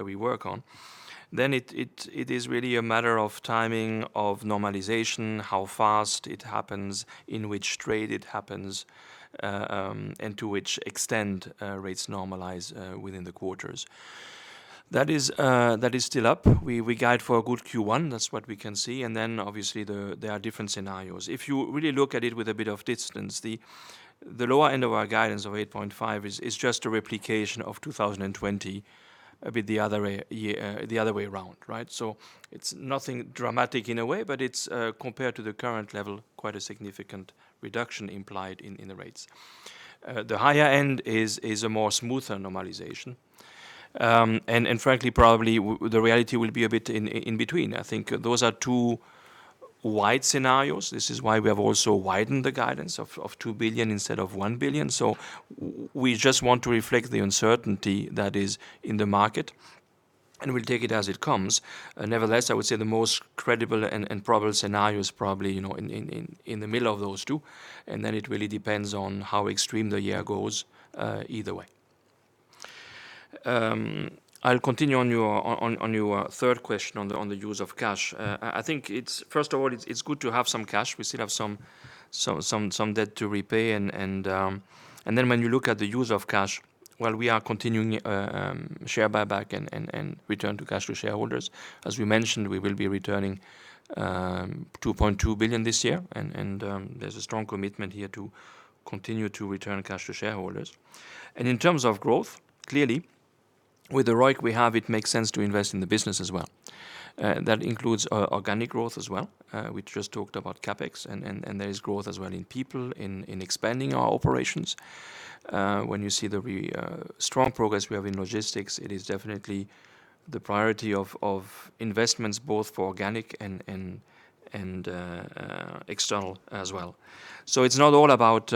we work on. It is really a matter of timing of normalization, how fast it happens, in which trade it happens, and to which extent rates normalize within the quarters. That is still up. We guide for a good Q1. That's what we can see. Obviously, there are different scenarios. If you really look at it with a bit of distance, the lower end of our guidance of $8.5 billion is just a replication of 2020 a bit the other way around, right? It's nothing dramatic in a way, but it's, compared to the current level, quite a significant reduction implied in the rates. The higher end is a more smoother normalization. Frankly, probably, the reality will be a bit in between. I think those are two wide scenarios. This is why we have also widened the guidance of $2 billion instead of 1 billion. We just want to reflect the uncertainty that is in the market, and we'll take it as it comes. Nevertheless, I would say the most credible and probable scenario is probably in the middle of those two, and then it really depends on how extreme the year goes, either way. I'll continue on your third question on the use of cash. I think, first of all, it's good to have some cash. We still have some debt to repay. When you look at the use of cash, while we are continuing share buyback and return to cash to shareholders, as we mentioned, we will be returning $2.2 billion this year, and there's a strong commitment here to continue to return cash to shareholders. In terms of growth, clearly, with the ROIC we have, it makes sense to invest in the business as well. That includes organic growth as well. We just talked about CapEx, and there is growth as well in people, in expanding our operations. When you see the strong progress we have in Logistics, it is definitely the priority of investments both for organic and external as well. It's not all about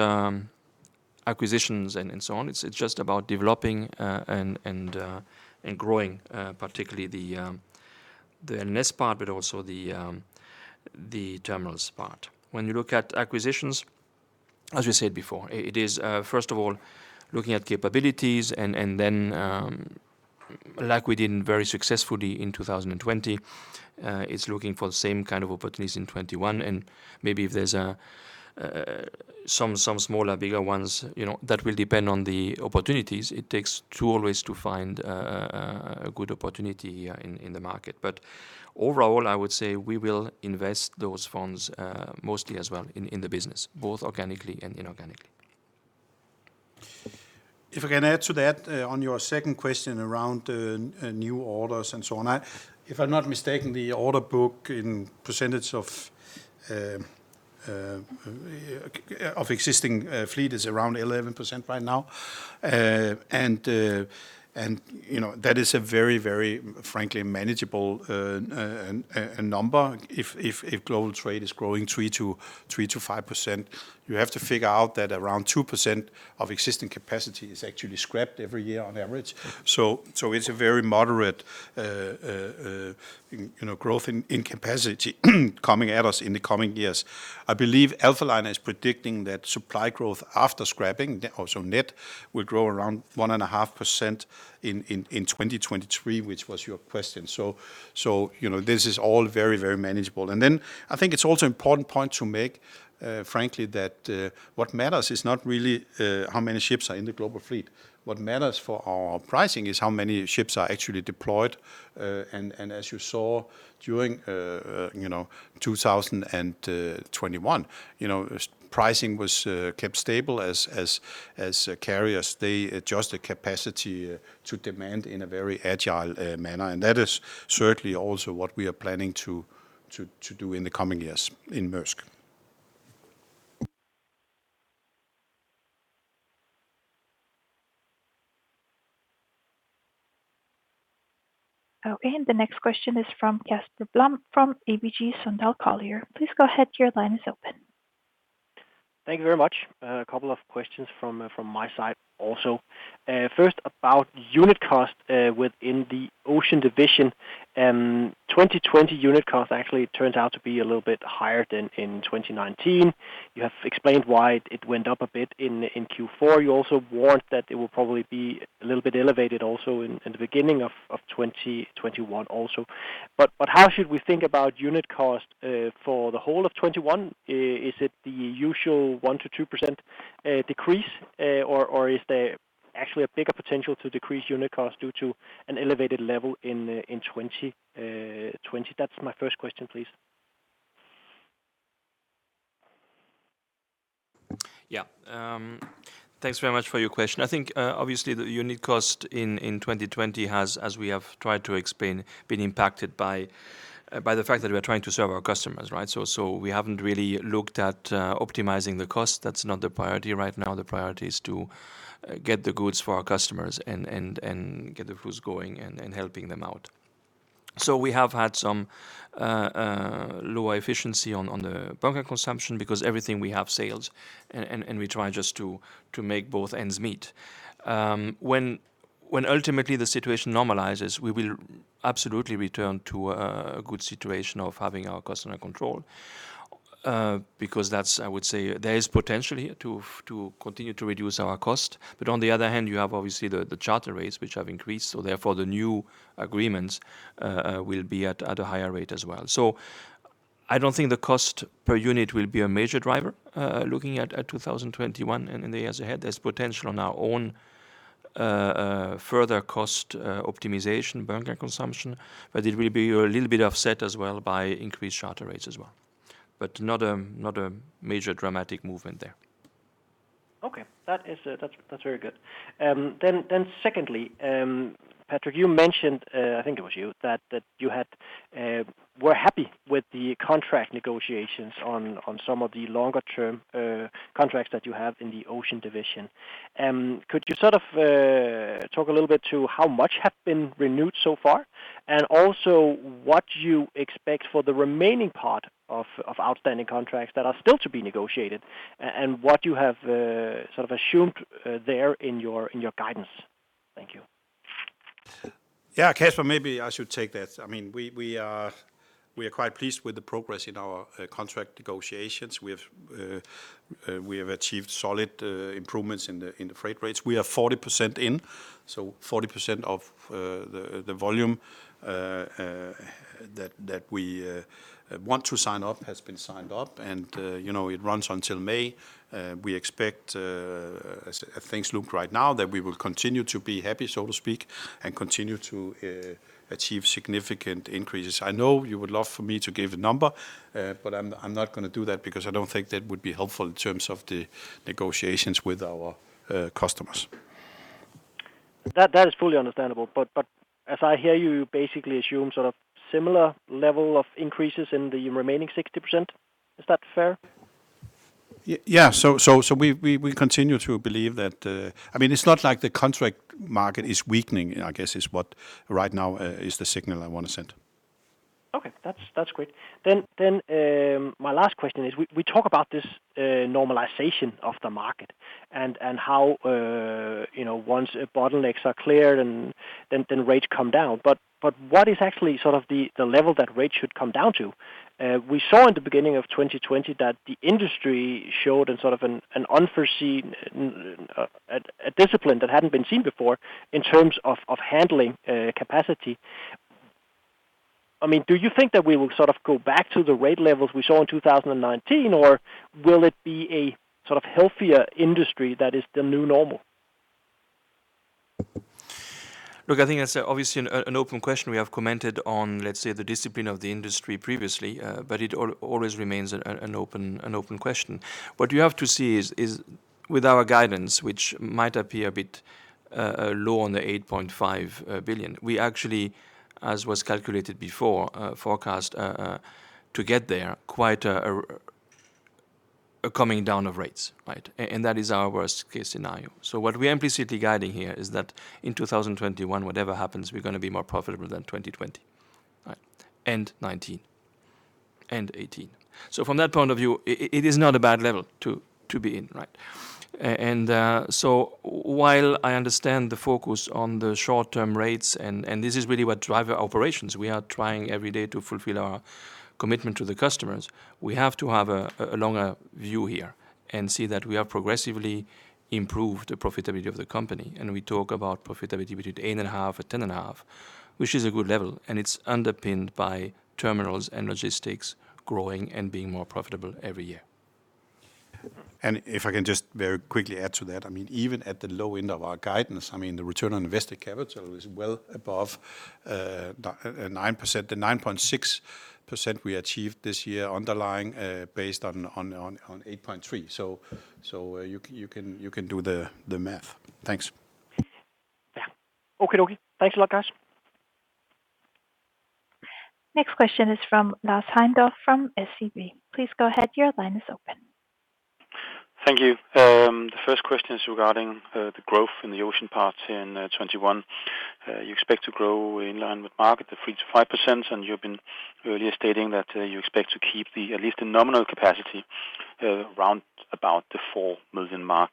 acquisitions and so on. It's just about developing and growing, particularly the L&S part, but also the Terminals part. When you look at acquisitions, as we said before, it is first of all looking at capabilities, and then, like we did very successfully in 2020, it's looking for the same kind of opportunities in 2021. Maybe if there's some smaller, bigger ones, that will depend on the opportunities. It takes two always to find a good opportunity in the market. Overall, I would say we will invest those funds mostly as well in the business, both organically and inorganically. If I can add to that on your second question around new orders and so on. If I'm not mistaken, the order book in percentage of existing fleet is around 11% right now. That is a very, frankly, manageable number. If global trade is growing 3%-5%, you have to figure out that around 2% of existing capacity is actually scrapped every year on average. It's a very moderate growth in capacity coming at us in the coming years. I believe Alphaliner is predicting that supply growth after scrapping, also net, will grow around 1.5% in 2023, which was your question. This is all very manageable. I think it's also an important point to make, frankly, that what matters is not really how many ships are in the global fleet. What matters for our pricing is how many ships are actually deployed. As you saw during 2021, pricing was kept stable as carriers, they adjust the capacity to demand in a very agile manner. That is certainly also what we are planning to do in the coming years in Maersk. Okay. The next question is from Casper Blom from ABG Sundal Collier. Please go ahead. Your line is open. Thank you very much. A couple of questions from my side also. First, about unit cost within the Ocean division. 2020 unit cost actually turned out to be a little bit higher than in 2019. You have explained why it went up a bit in Q4. You also warned that it will probably be a little bit elevated also in the beginning of 2021 also. How should we think about unit cost for the whole of 2021? Is it the usual 1%-2% decrease, or is there actually a bigger potential to decrease unit cost due to an elevated level in 2020? That's my first question, please. Yeah. Thanks very much for your question. I think, obviously, the unit cost in 2020 has, as we have tried to explain, been impacted by the fact that we are trying to serve our customers, right? We haven't really looked at optimizing the cost. That's not the priority right now. The priority is to get the goods for our customers and get the goods going and helping them out. We have had some lower efficiency on the bunker consumption because everything we have sails, and we try just to make both ends meet. When ultimately the situation normalizes, we will absolutely return to a good situation of having our customer control, because that's, I would say, there is potential here to continue to reduce our cost. On the other hand, you have obviously the charter rates, which have increased, therefore the new agreements will be at a higher rate as well. I don't think the cost per unit will be a major driver, looking at 2021 and in the years ahead. There's potential on our own further cost optimization, bunker consumption, it will be a little bit offset as well by increased charter rates as well. Not a major dramatic movement there. Okay. That's very good. Secondly, Patrick, you mentioned, I think it was you, that you were happy with the contract negotiations on some of the longer-term contracts that you have in the Ocean division. Could you sort of talk a little bit to how much have been renewed so far, and also what you expect for the remaining part of outstanding contracts that are still to be negotiated and what you have sort of assumed there in your guidance? Thank you. Yeah. Casper, maybe I should take that. We are quite pleased with the progress in our contract negotiations. We have achieved solid improvements in the freight rates. We are 40% in, so 40% of the volume that we want to sign up has been signed up. It runs until May. We expect, as things look right now, that we will continue to be happy, so to speak, and continue to achieve significant increases. I know you would love for me to give a number, but I'm not going to do that because I don't think that would be helpful in terms of the negotiations with our customers. That is fully understandable. As I hear you basically assume sort of similar level of increases in the remaining 60%. Is that fair? Yeah. We continue to believe that. It's not like the contract market is weakening, I guess, is what right now is the signal I want to send. Okay. That's great. My last question is, we talk about this normalization of the market and how once bottlenecks are cleared, rates come down. What is actually sort of the level that rates should come down to? We saw in the beginning of 2020 that the industry showed a sort of an unforeseen, a discipline that hadn't been seen before in terms of handling capacity. Do you think that we will sort of go back to the rate levels we saw in 2019, or will it be a sort of healthier industry that is the new normal? I think that's obviously an open question. We have commented on, let's say, the discipline of the industry previously, it always remains an open question. What you have to see is with our guidance, which might appear a bit low on the $8.5 billion. We actually, as was calculated before, forecast, to get there, quite a coming down of rates. That is our worst-case scenario. What we are implicitly guiding here is that in 2021, whatever happens, we're going to be more profitable than 2020. 2019 and 2018. From that point of view, it is not a bad level to be in, right. While I understand the focus on the short-term rates, this is really what drive our operations. We are trying every day to fulfill our commitment to the customers. We have to have a longer view here and see that we have progressively improved the profitability of the company. We talk about profitability between 8.5% and 10.5%, which is a good level, and it's underpinned by terminals and logistics growing and being more profitable every year. If I can just very quickly add to that. Even at the low end of our guidance, the return on invested capital is well above 9%, the 9.6% we achieved this year underlying based on 8.3%. You can do the math. Thanks. Yeah. Okie dokie. Thanks a lot, guys. Next question is from Lars Heindorff from SEB. Please go ahead. Your line is open. Thank you. The first question is regarding the growth in the ocean part in 2021. You expect to grow in line with market, the 3%-5%, and you've been earlier stating that you expect to keep at least the nominal capacity around about the 4 million mark.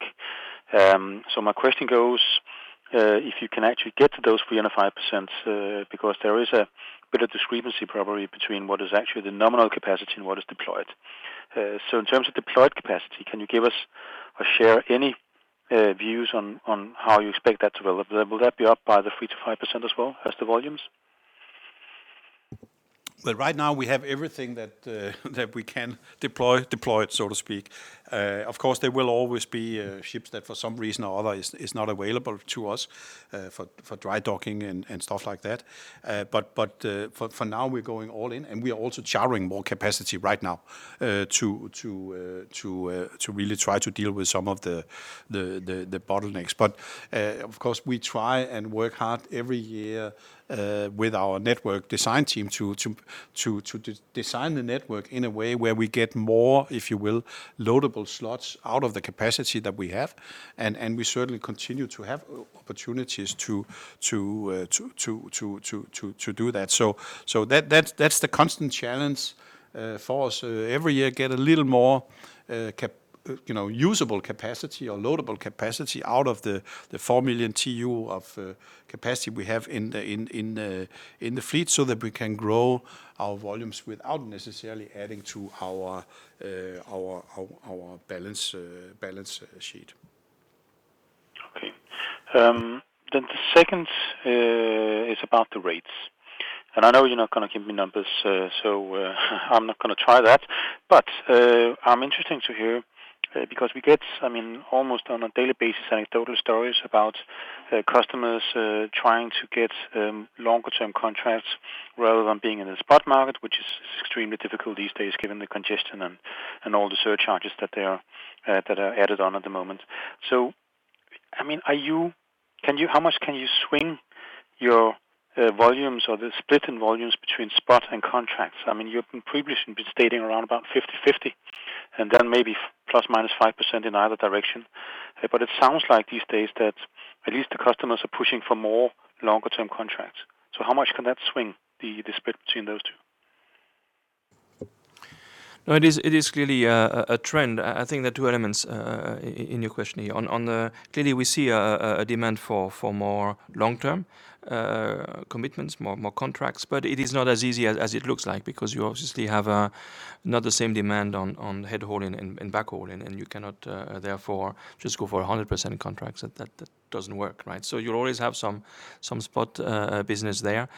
My question goes, if you can actually get to those 3% and the 5%, because there is a bit of discrepancy probably between what is actually the nominal capacity and what is deployed. In terms of deployed capacity, can you give us or share any views on how you expect that to develop? Will that be up by the 3%-5% as well as the volumes? Well, right now we have everything that we can deploy, deployed, so to speak. Of course, there will always be ships that for some reason or other is not available to us for dry docking and stuff like that. For now, we're going all in and we are also chartering more capacity right now to really try to deal with some of the bottlenecks. Of course, we try and work hard every year, with our network design team to design the network in a way where we get more, if you will, loadable slots out of the capacity that we have. We certainly continue to have opportunities to do that. That's the constant challenge for us every year, get a little more usable capacity or loadable capacity out of the 4 million TU of capacity we have in the fleet so that we can grow our volumes without necessarily adding to our balance sheet. The second is about the rates. I know you're not going to give me numbers, I'm not going to try that. I'm interested to hear, because we get, almost on a daily basis, anecdotal stories about customers trying to get longer-term contracts rather than being in the spot market, which is extremely difficult these days given the congestion and all the surcharges that are added on at the moment. How much can you swing your volumes or the split in volumes between spot and contracts? You've previously been stating around about 50/50, and then maybe plus minus 5% in either direction. It sounds like these days that at least the customers are pushing for more longer-term contracts. How much can that swing the split between those two? No, it is clearly a trend. I think there are two elements in your question here. Clearly, we see a demand for more long-term commitments, more contracts. It is not as easy as it looks like because you obviously have not the same demand on head-hauling and back-hauling, and you cannot, therefore, just go for 100% contracts. That doesn't work, right? You'll always have some spot business there.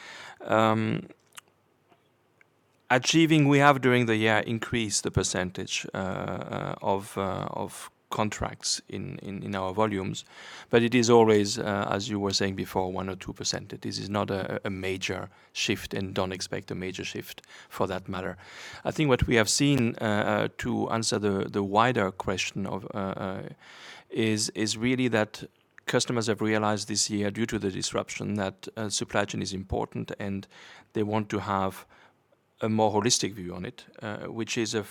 Achieving we have during the year increased the percentage of contracts in our volumes, it is always, as you were saying before, 1% or 2%. This is not a major shift. Don't expect a major shift for that matter. I think what we have seen, to answer the wider question, is really that customers have realized this year, due to the disruption, that supply chain is important and they want to have a more holistic view on it, which is a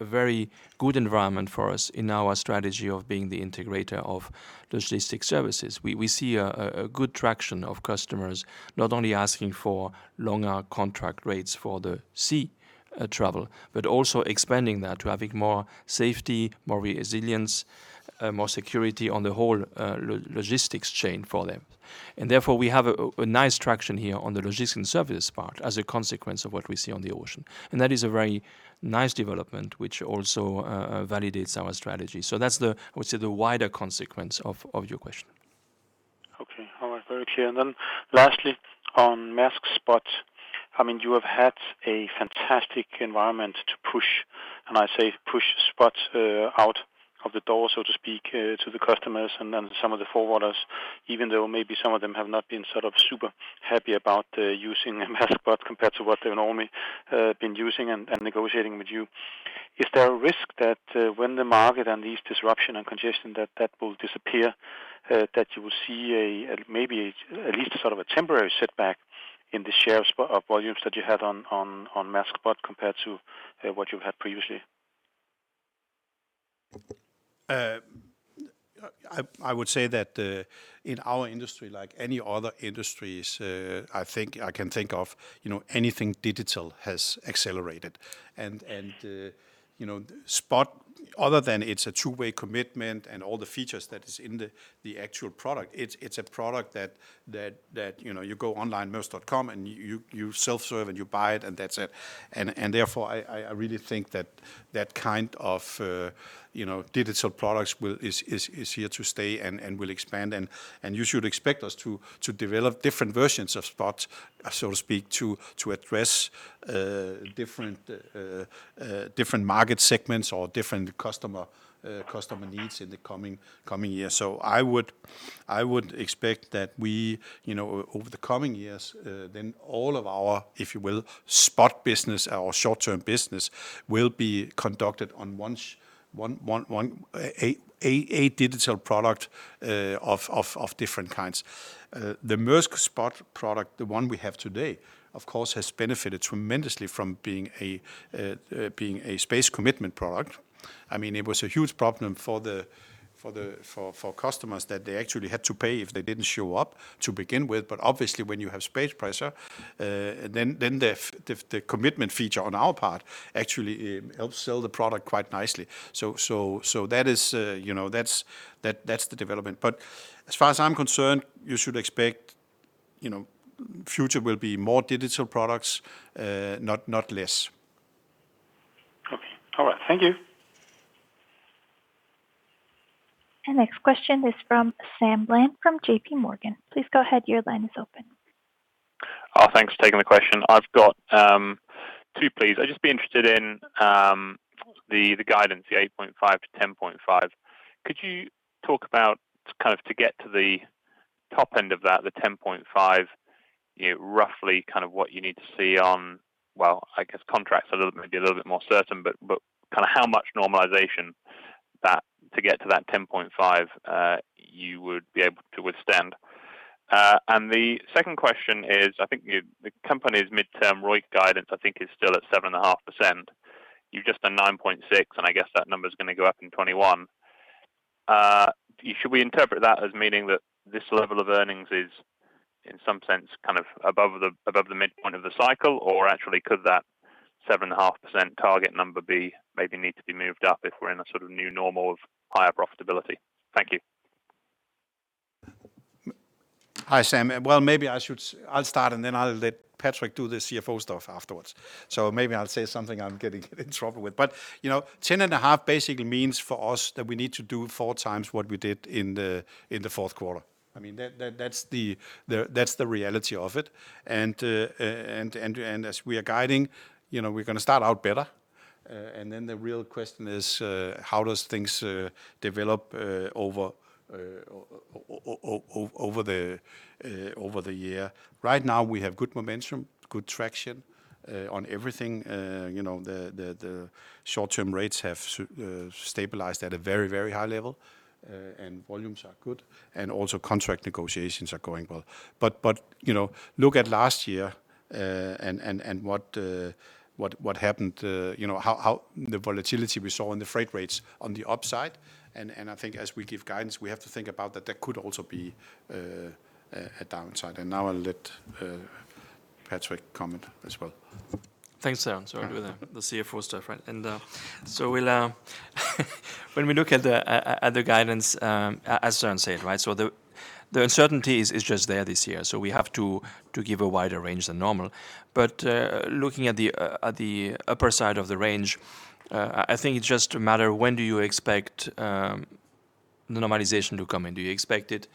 very good environment for us in our strategy of being the integrator of Logistics & Services. We see a good traction of customers not only asking for longer contract rates for the sea travel, but also expanding that to having more safety, more resilience, more security on the whole logistics chain for them. We have a nice traction here on the Logistics & Services part as a consequence of what we see on the ocean. That is a very nice development, which also validates our strategy. That's, I would say, the wider consequence of your question. Okay. All right, very clear. Lastly, on Maersk Spot. You have had a fantastic environment to push, and I say push spot out of the door, so to speak, to the customers and some of the forwarders, even though maybe some of them have not been sort of super happy about using Maersk Spot compared to what they've normally been using and negotiating with you. Is there a risk that when the market and these disruption and congestion, that will disappear, that you will see maybe at least a sort of a temporary setback in the share of volumes that you had on Maersk Spot compared to what you had previously? I would say that in our industry, like any other industries I can think of, anything digital has accelerated. Spot, other than it's a two-way commitment and all the features that is in the actual product, it's a product that you go online maersk.com and you self-serve and you buy it and that's it. Therefore, I really think that that kind of digital products is here to stay and will expand, and you should expect us to develop different versions of spot, so to speak, to address different market segments or different customer needs in the coming year. I would expect that we, over the coming years, then all of our, if you will, spot business, our short-term business, will be conducted on a digital product of different kinds. The Maersk Spot product, the one we have today, of course, has benefited tremendously from being a space commitment product. It was a huge problem for customers that they actually had to pay if they didn't show up to begin with. Obviously when you have space pressure, the commitment feature on our part actually helps sell the product quite nicely. That's the development. As far as I'm concerned, you should expect future will be more digital products, not less. Thank you. The next question is from Sam Bland from JPMorgan. Please go ahead. Your line is open. Thanks for taking the question. I've got two, please. I'd just be interested in the guidance, the $8.5-$10.5. Could you talk about, to get to the top end of that, the $10.5, roughly what you need to see on, well, I guess contracts are maybe a little bit more certain, but how much normalization to get to that $10.5, you would be able to withstand? The second question is, I think the company's midterm ROIC guidance, I think is still at 7.5%. You've just done 9.6%. I guess that number's going to go up in 2021. Should we interpret that as meaning that this level of earnings is, in some sense, above the midpoint of the cycle, or actually could that 7.5% target number maybe need to be moved up if we're in a sort of new normal of higher profitability? Thank you. Hi, Sam. Well, maybe I'll start, and then I'll let Patrick do the CFO stuff afterwards. Maybe I'll say something I'll get in trouble with. $10.5 basically means for us that we need to do four times what we did in the fourth quarter. That's the reality of it. As we are guiding, we're going to start out better. Then the real question is, how does things develop over the year. Right now, we have good momentum, good traction on everything. The short-term rates have stabilized at a very, very high level, and volumes are good, and also contract negotiations are going well. Look at last year, and what happened, the volatility we saw in the freight rates on the upside, and I think as we give guidance, we have to think about that there could also be a downside. Now I'll let Patrick comment as well. Thanks, Søren. I'll do the CFO stuff, right? When we look at the guidance, as Søren said, the uncertainty is just there this year, so we have to give a wider range than normal. Looking at the upper side of the range, I think it's just a matter of when do you expect the normalization to come in. Do you expect it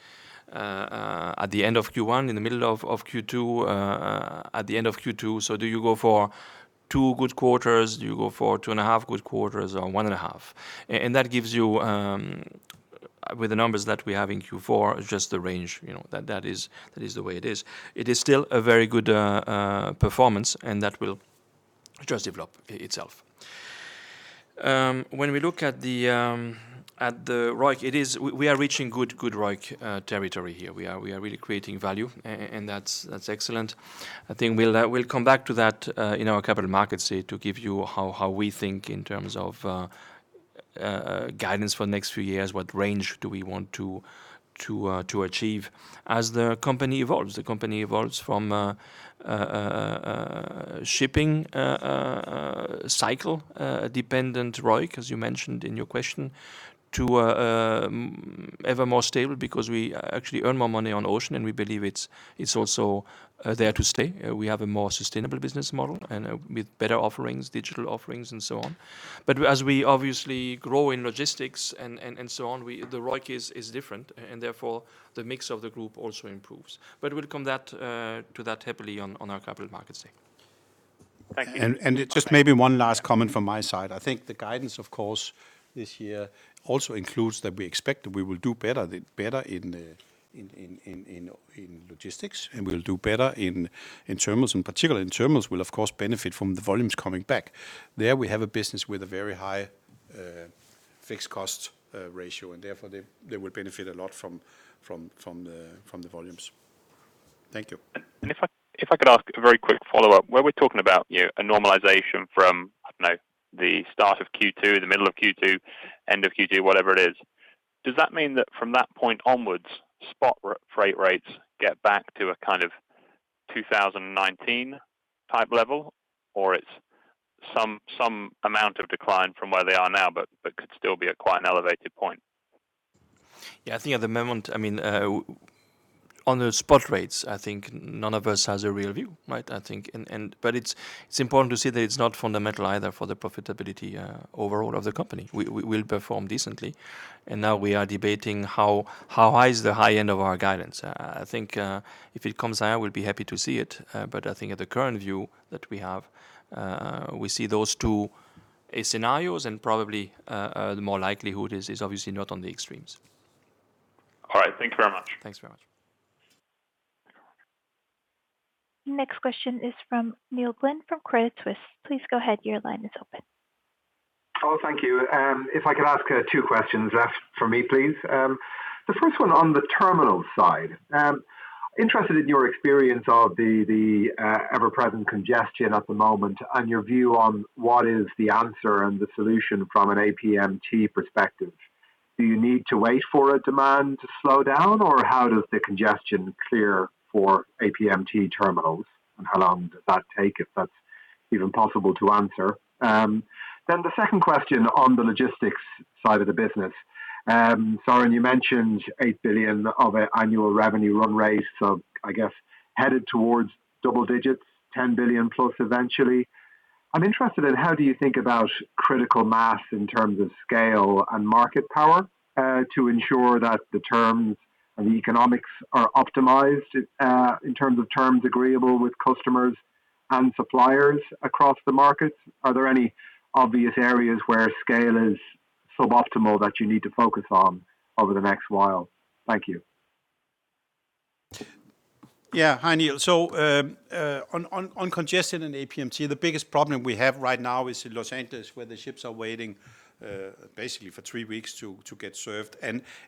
at the end of Q1, in the middle of Q2, at the end of Q2? Do you go for two good quarters? Do you go for two and a half good quarters or one and a half? That gives you, with the numbers that we have in Q4, just the range. That is the way it is. It is still a very good performance, and that will just develop itself. When we look at the ROIC, we are reaching good ROIC territory here. We are really creating value, and that's excellent. I think we'll come back to that in our Capital Markets Day to give you how we think in terms of guidance for next few years, what range do we want to achieve as the company evolves. The company evolves from a shipping cycle dependent ROIC, as you mentioned in your question, to ever more stable, because we actually earn more money on ocean, and we believe it's also there to stay. We have a more sustainable business model, and with better offerings, digital offerings and so on. As we obviously grow in logistics and so on, the ROIC is different, and therefore, the mix of the group also improves. We'll come to that happily on our Capital Markets Day. Thank you. Just maybe one last comment from my side. I think the guidance, of course, this year also includes that we expect that we will do better in logistics, and we'll do better in terminals. Particularly in terminals, we'll of course benefit from the volumes coming back. There, we have a business with a very high fixed cost ratio, and therefore, they will benefit a lot from the volumes. Thank you. If I could ask a very quick follow-up. Where we're talking about a normalization from, I don't know, the start of Q2, the middle of Q2, end of Q2, whatever it is, does that mean that from that point onwards, spot freight rates get back to a kind of 2019 type level, or it's some amount of decline from where they are now, but could still be at quite an elevated point? Yeah, I think at the moment, on the spot rates, I think none of us has a real view, right? It's important to say that it's not fundamental either for the profitability overall of the company. We'll perform decently. Now we are debating how high is the high end of our guidance. I think, if it comes high, we'll be happy to see it. I think at the current view that we have, we see those two scenarios, and probably the more likelihood is obviously not on the extremes. All right. Thank you very much. Thanks very much. Next question is from Neil Glynn from Credit Suisse. Please go ahead. Your line is open. Thank you. If I could ask two questions for me, please. The first one on the Terminals side. Interested in your experience of the ever-present congestion at the moment and your view on what is the answer and the solution from an APMT perspective. Do you need to wait for a demand to slow down, or how does the congestion clear for APMT Terminals, and how long does that take, if that's even possible to answer? The second question on the Logistics side of the business. Søren, you mentioned $8 billion of annual revenue run rate. I guess headed towards double digits, $10 billion plus eventually. I am interested in how do you think about critical mass in terms of scale and market power, to ensure that the terms and the economics are optimized, in terms of terms agreeable with customers and suppliers across the markets? Are there any obvious areas where scale is suboptimal that you need to focus on over the next while? Thank you. Hi, Neil. On congestion and APMT, the biggest problem we have right now is in Los Angeles, where the ships are waiting, basically for three weeks to get served.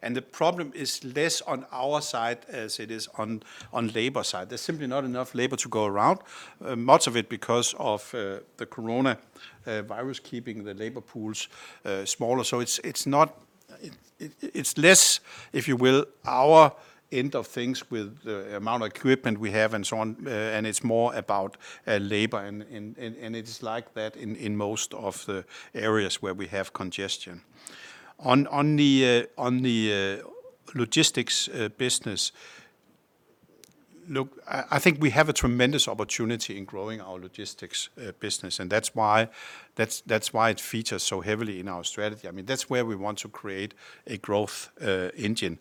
The problem is less on our side as it is on labor side. There's simply not enough labor to go around, much of it because of the COVID-19 keeping the labor pools smaller. It's less, if you will, our end of things with the amount of equipment we have and so on. It's more about labor. It is like that in most of the areas where we have congestion. On the logistics business, I think we have a tremendous opportunity in growing our logistics business. That's why it features so heavily in our strategy. That's where we want to create a growth engine.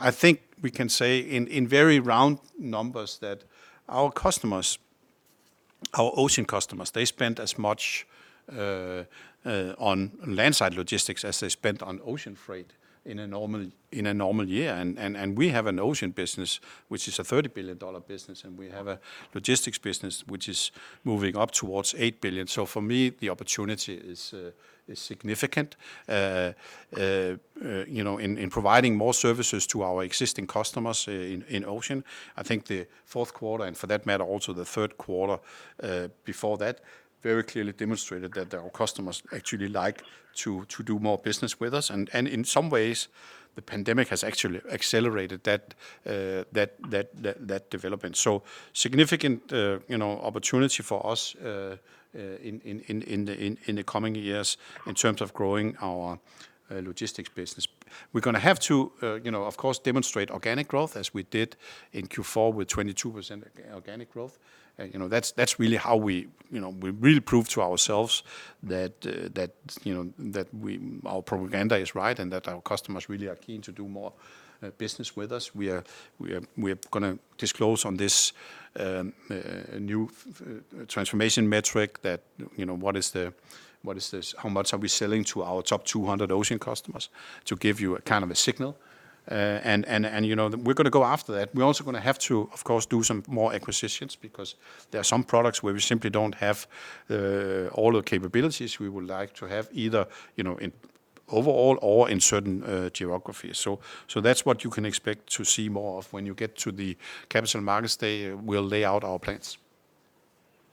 I think we can say in very round numbers that our ocean customers, they spent as much on landside logistics as they spent on ocean freight in a normal year. We have an ocean business, which is a $30 billion business, and we have a logistics business, which is moving up towards $8 billion. For me, the opportunity is significant, in providing more services to our existing customers in ocean. I think the fourth quarter, and for that matter, also the third quarter, before that very clearly demonstrated that our customers actually like to do more business with us. In some ways, the pandemic has actually accelerated that development. Significant opportunity for us in the coming years in terms of growing our logistics business. We're going to have to, of course, demonstrate organic growth as we did in Q4 with 22% organic growth. That's really how we really prove to ourselves that our proposition is right, that our customers really are keen to do more business with us. We're going to disclose on this a new transformation metric, how much are we selling to our top 200 ocean customers to give you a kind of a signal. We're going to go after that. We're also going to have to, of course, do some more acquisitions because there are some products where we simply don't have all the capabilities we would like to have either, in overall or in certain geographies. That's what you can expect to see more of when you get to the Capital Markets Day, we'll lay out our plans.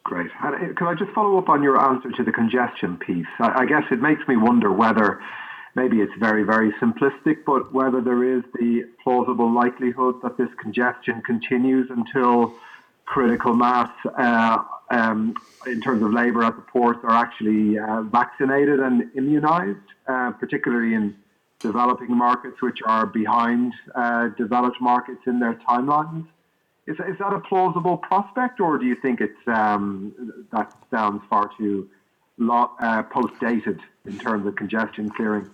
Great. Can I just follow up on your answer to the congestion piece? I guess it makes me wonder whether maybe it's very, very simplistic, but whether there is the plausible likelihood that this congestion continues until critical mass, in terms of labor at the ports are actually vaccinated and immunized, particularly in developing markets which are behind developed markets in their timelines. Is that a plausible prospect, or do you think that sounds far too post-dated in terms of congestion clearing?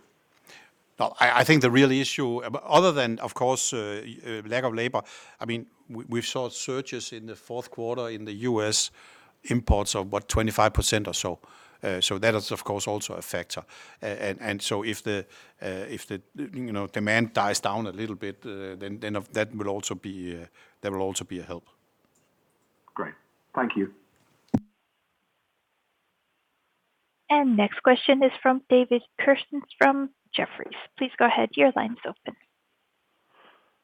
Well, I think the real issue, other than, of course, lack of labor, we saw surges in the Q4 in the U.S. imports of what, 25% or so. That is, of course, also a factor. If the demand dies down a little bit, then that will also be a help. Great. Thank you. Next question is from David Kerstens from Jefferies. Please go ahead. Your line's open.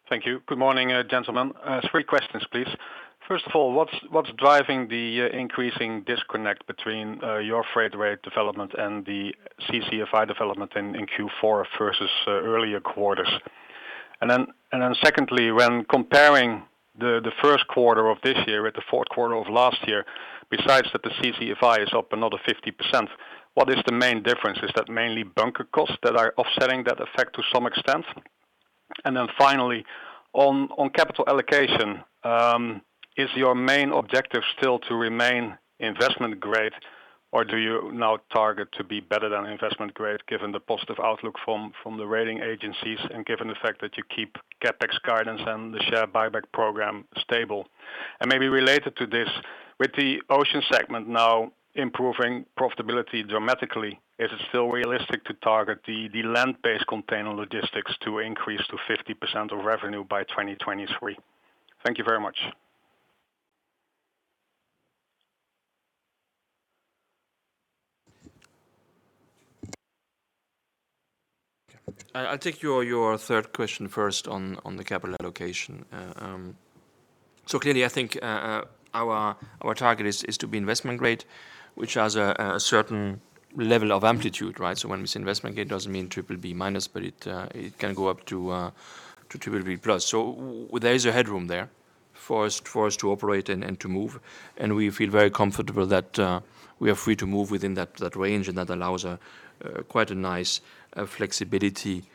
Thank you. Good morning, gentlemen. Three questions, please. First of all, what's driving the increasing disconnect between your freight rate development and the CCFI development in Q4 versus earlier quarters? Secondly, when comparing the first quarter of this year with the fourth quarter of last year, besides that the CCFI is up another 50%, what is the main difference? Is that mainly bunker costs that are offsetting that effect to some extent? Finally, on capital allocation, is your main objective still to remain investment grade or do you now target to be better than investment grade given the positive outlook from the rating agencies and given the fact that you keep CapEx guidance and the share buyback program stable? Maybe related to this, with the Ocean segment now improving profitability dramatically, is it still realistic to target the land-based container logistics to increase to 50% of revenue by 2023? Thank you very much. I'll take your third question first on the capital allocation. Clearly, I think our target is to be investment grade, which has a certain level of amplitude, right? When we say investment grade, doesn't mean triple B minus, but it can go up to triple B plus. There is a headroom there for us to operate and to move, and we feel very comfortable that we are free to move within that range, and that allows quite a nice flexibility,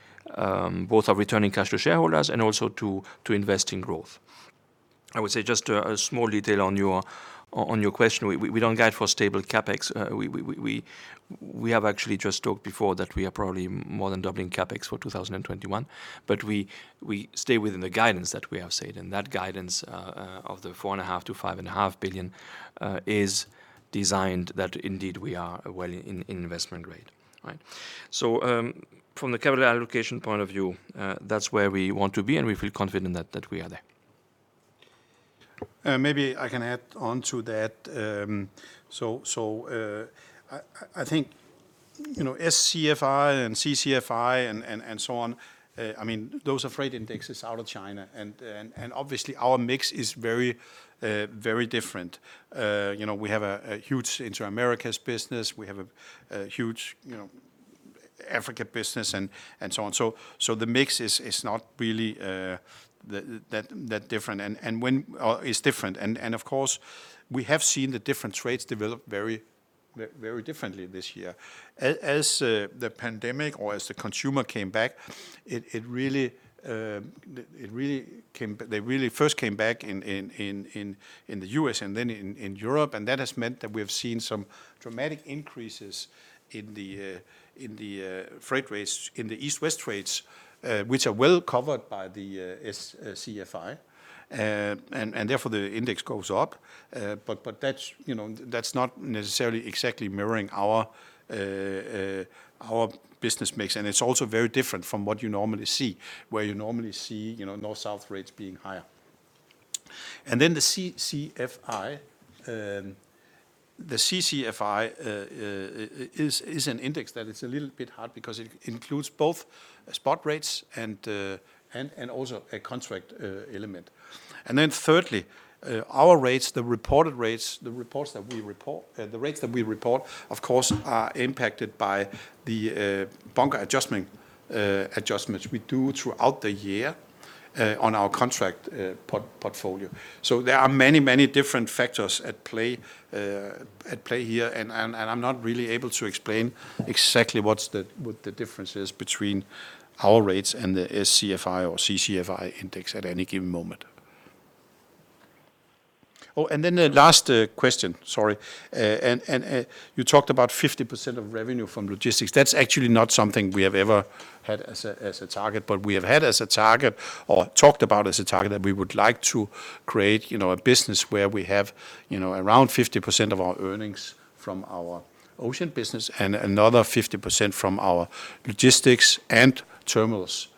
both of returning cash to shareholders and also to invest in growth. I would say just a small detail on your question, we don't guide for stable CapEx. We have actually just talked before that we are probably more than doubling CapEx for 2021. We stay within the guidance that we have said. That guidance of the $4.5 billion-$5.5 billion is designed that indeed we are well in investment grade. Right. From the capital allocation point of view, that's where we want to be. We feel confident that we are there. Maybe I can add on to that. I think SCFI and CCFI and so on, those are freight indexes out of China, and obviously, our mix is very different. We have a huge Intra-Americas business. We have a huge Africa business and so on. The mix is not really that different and when it's different, and of course, we have seen the different trades develop very differently this year. As the pandemic or as the consumer came back, they really first came back in the U.S. and then in Europe, and that has meant that we have seen some dramatic increases in the freight rates in the East-West trades, which are well covered by the SCFI, and therefore, the index goes up. That's not necessarily exactly mirroring our business mix, and it's also very different from what you normally see, where you normally see North-South rates being higher. The CCFI is an index that it's a little bit hard because it includes both spot rates and also a contract element. Thirdly, our rates, the reported rates, the rates that we report, of course, are impacted by the bunker adjustments we do throughout the year on our contract portfolio. There are many, many different factors at play here, and I'm not really able to explain exactly what the difference is between our rates and the SCFI or CCFI index at any given moment. The last question, sorry. You talked about 50% of revenue from logistics. That's actually not something we have ever had as a target, but we have had as a target or talked about as a target that we would like to create a business where we have around 50% of our earnings from our ocean business and another 50% from our logistics and terminals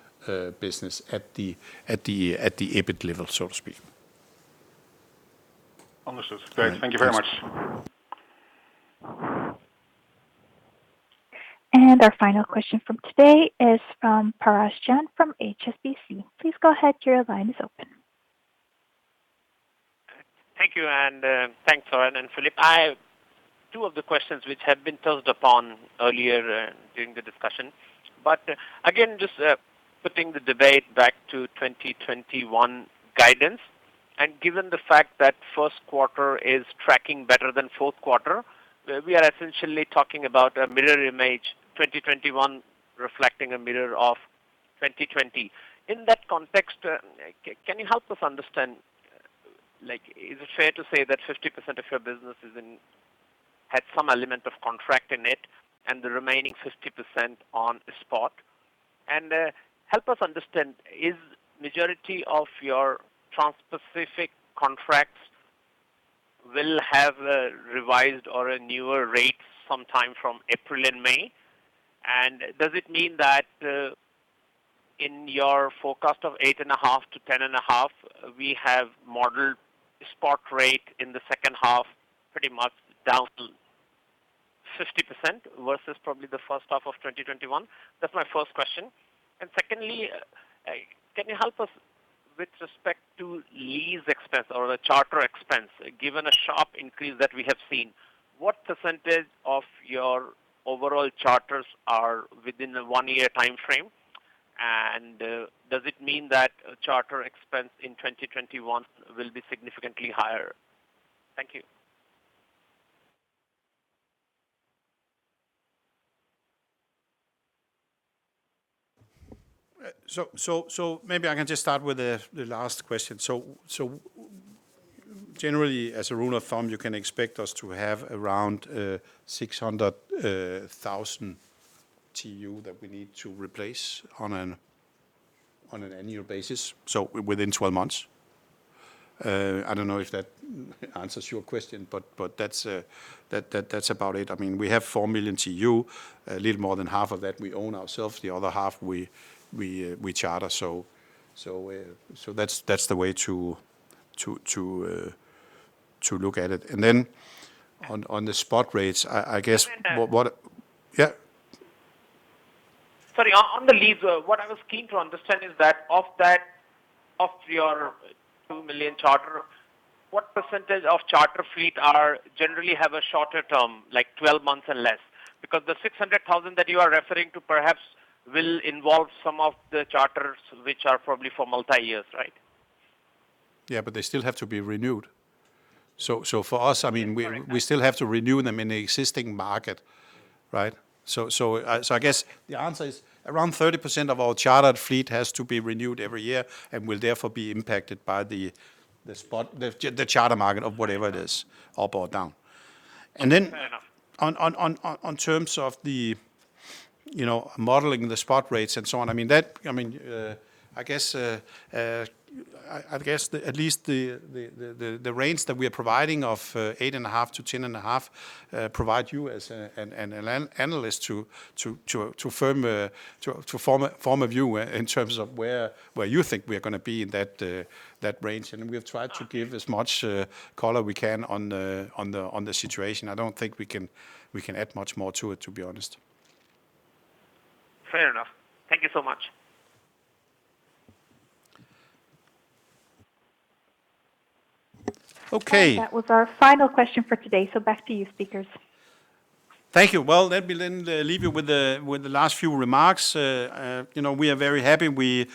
business at the EBIT level, so to speak. Understood. Great. Thank you very much. Our final question from today is from Parash Jain from HSBC. Please go ahead. Your line is open. Thank you, and thanks, Søren and Patrick. I have two of the questions which have been touched upon earlier during the discussion. Again, just putting the debate back to 2021 guidance, and given the fact that first quarter is tracking better than fourth quarter, we are essentially talking about a mirror image, 2021 reflecting a mirror of 2020. In that context, can you help us understand, is it fair to say that 50% of your business had some element of contract in it and the remaining 50% on spot? Help us understand, is majority of your trans-Pacific contracts will have a revised or a newer rate sometime from April and May? Does it mean that in your forecast of $8.5-$10.5 billion, we have modeled spot rate in the second half pretty much down 50% versus probably the H1 of 2021? That's my first question. Secondly, can you help us with respect to lease expense or the charter expense? Given a sharp increase that we have seen, what percentage of your overall charters are within a one-year timeframe? Does it mean that charter expense in 2021 will be significantly higher? Thank you. Maybe I can just start with the last question. Generally, as a rule of thumb, you can expect us to have around 600,000 TU that we need to replace on an annual basis, so within 12 months. I don't know if that answers your question, but that's about it. We have 4 million TU, a little more than half of that we own ourselves, the other half we charter. That's the way to look at it. Then on the spot rates, I guess. Sorry, on the lease, what I was keen to understand is that of your 2 million charter, what percentage of charter fleet generally have a shorter term, like 12 months or less? Because the 600,000 that you are referring to perhaps will involve some of the charters which are probably for multi-years, right? Yeah, they still have to be renewed. Yeah. Fair enough. We still have to renew them in the existing market, right? I guess the answer is around 30% of our chartered fleet has to be renewed every year and will therefore be impacted by the charter market of whatever it is, up or down. Fair enough. On terms of the modeling the spot rates and so on, I guess at least the range that we are providing of 8.5 to 10.5 provide you as an analyst to form a view in terms of where you think we're going to be in that range. We have tried to give as much color we can on the situation. I don't think we can add much more to it, to be honest. Fair enough. Thank you so much. Okay. That was our final question for today. Back to you, speakers. Thank you. Well, let me leave you with the last few remarks. We are very happy we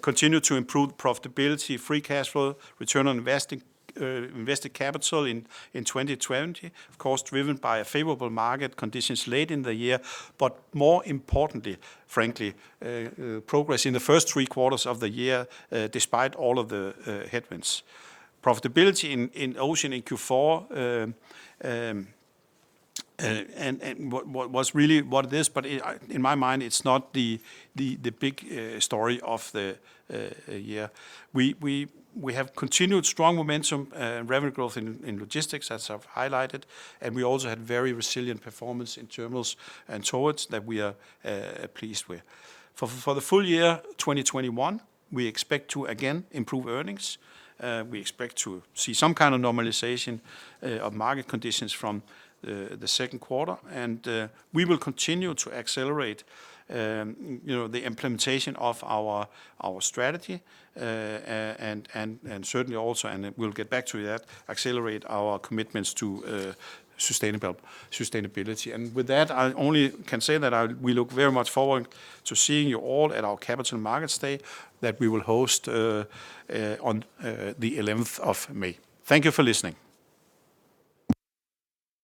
continue to improve profitability, free cash flow, return on invested capital in 2020, of course, driven by favorable market conditions late in the year, more importantly, frankly, progress in the first three quarters of the year, despite all of the headwinds. Profitability in Ocean in Q4, what's really what it is, in my mind, it's not the big story of the year. We have continued strong momentum and revenue growth in Logistics, as I've highlighted, we also had very resilient performance in Terminals & Towage that we are pleased with. For the full-year 2021, we expect to again improve earnings. We expect to see some kind of normalization of market conditions from the second quarter, and we will continue to accelerate the implementation of our strategy, and certainly also, and we'll get back to that, accelerate our commitments to sustainability. With that, I only can say that we look very much forward to seeing you all at our Capital Markets Day that we will host on the 11th of May. Thank you for listening.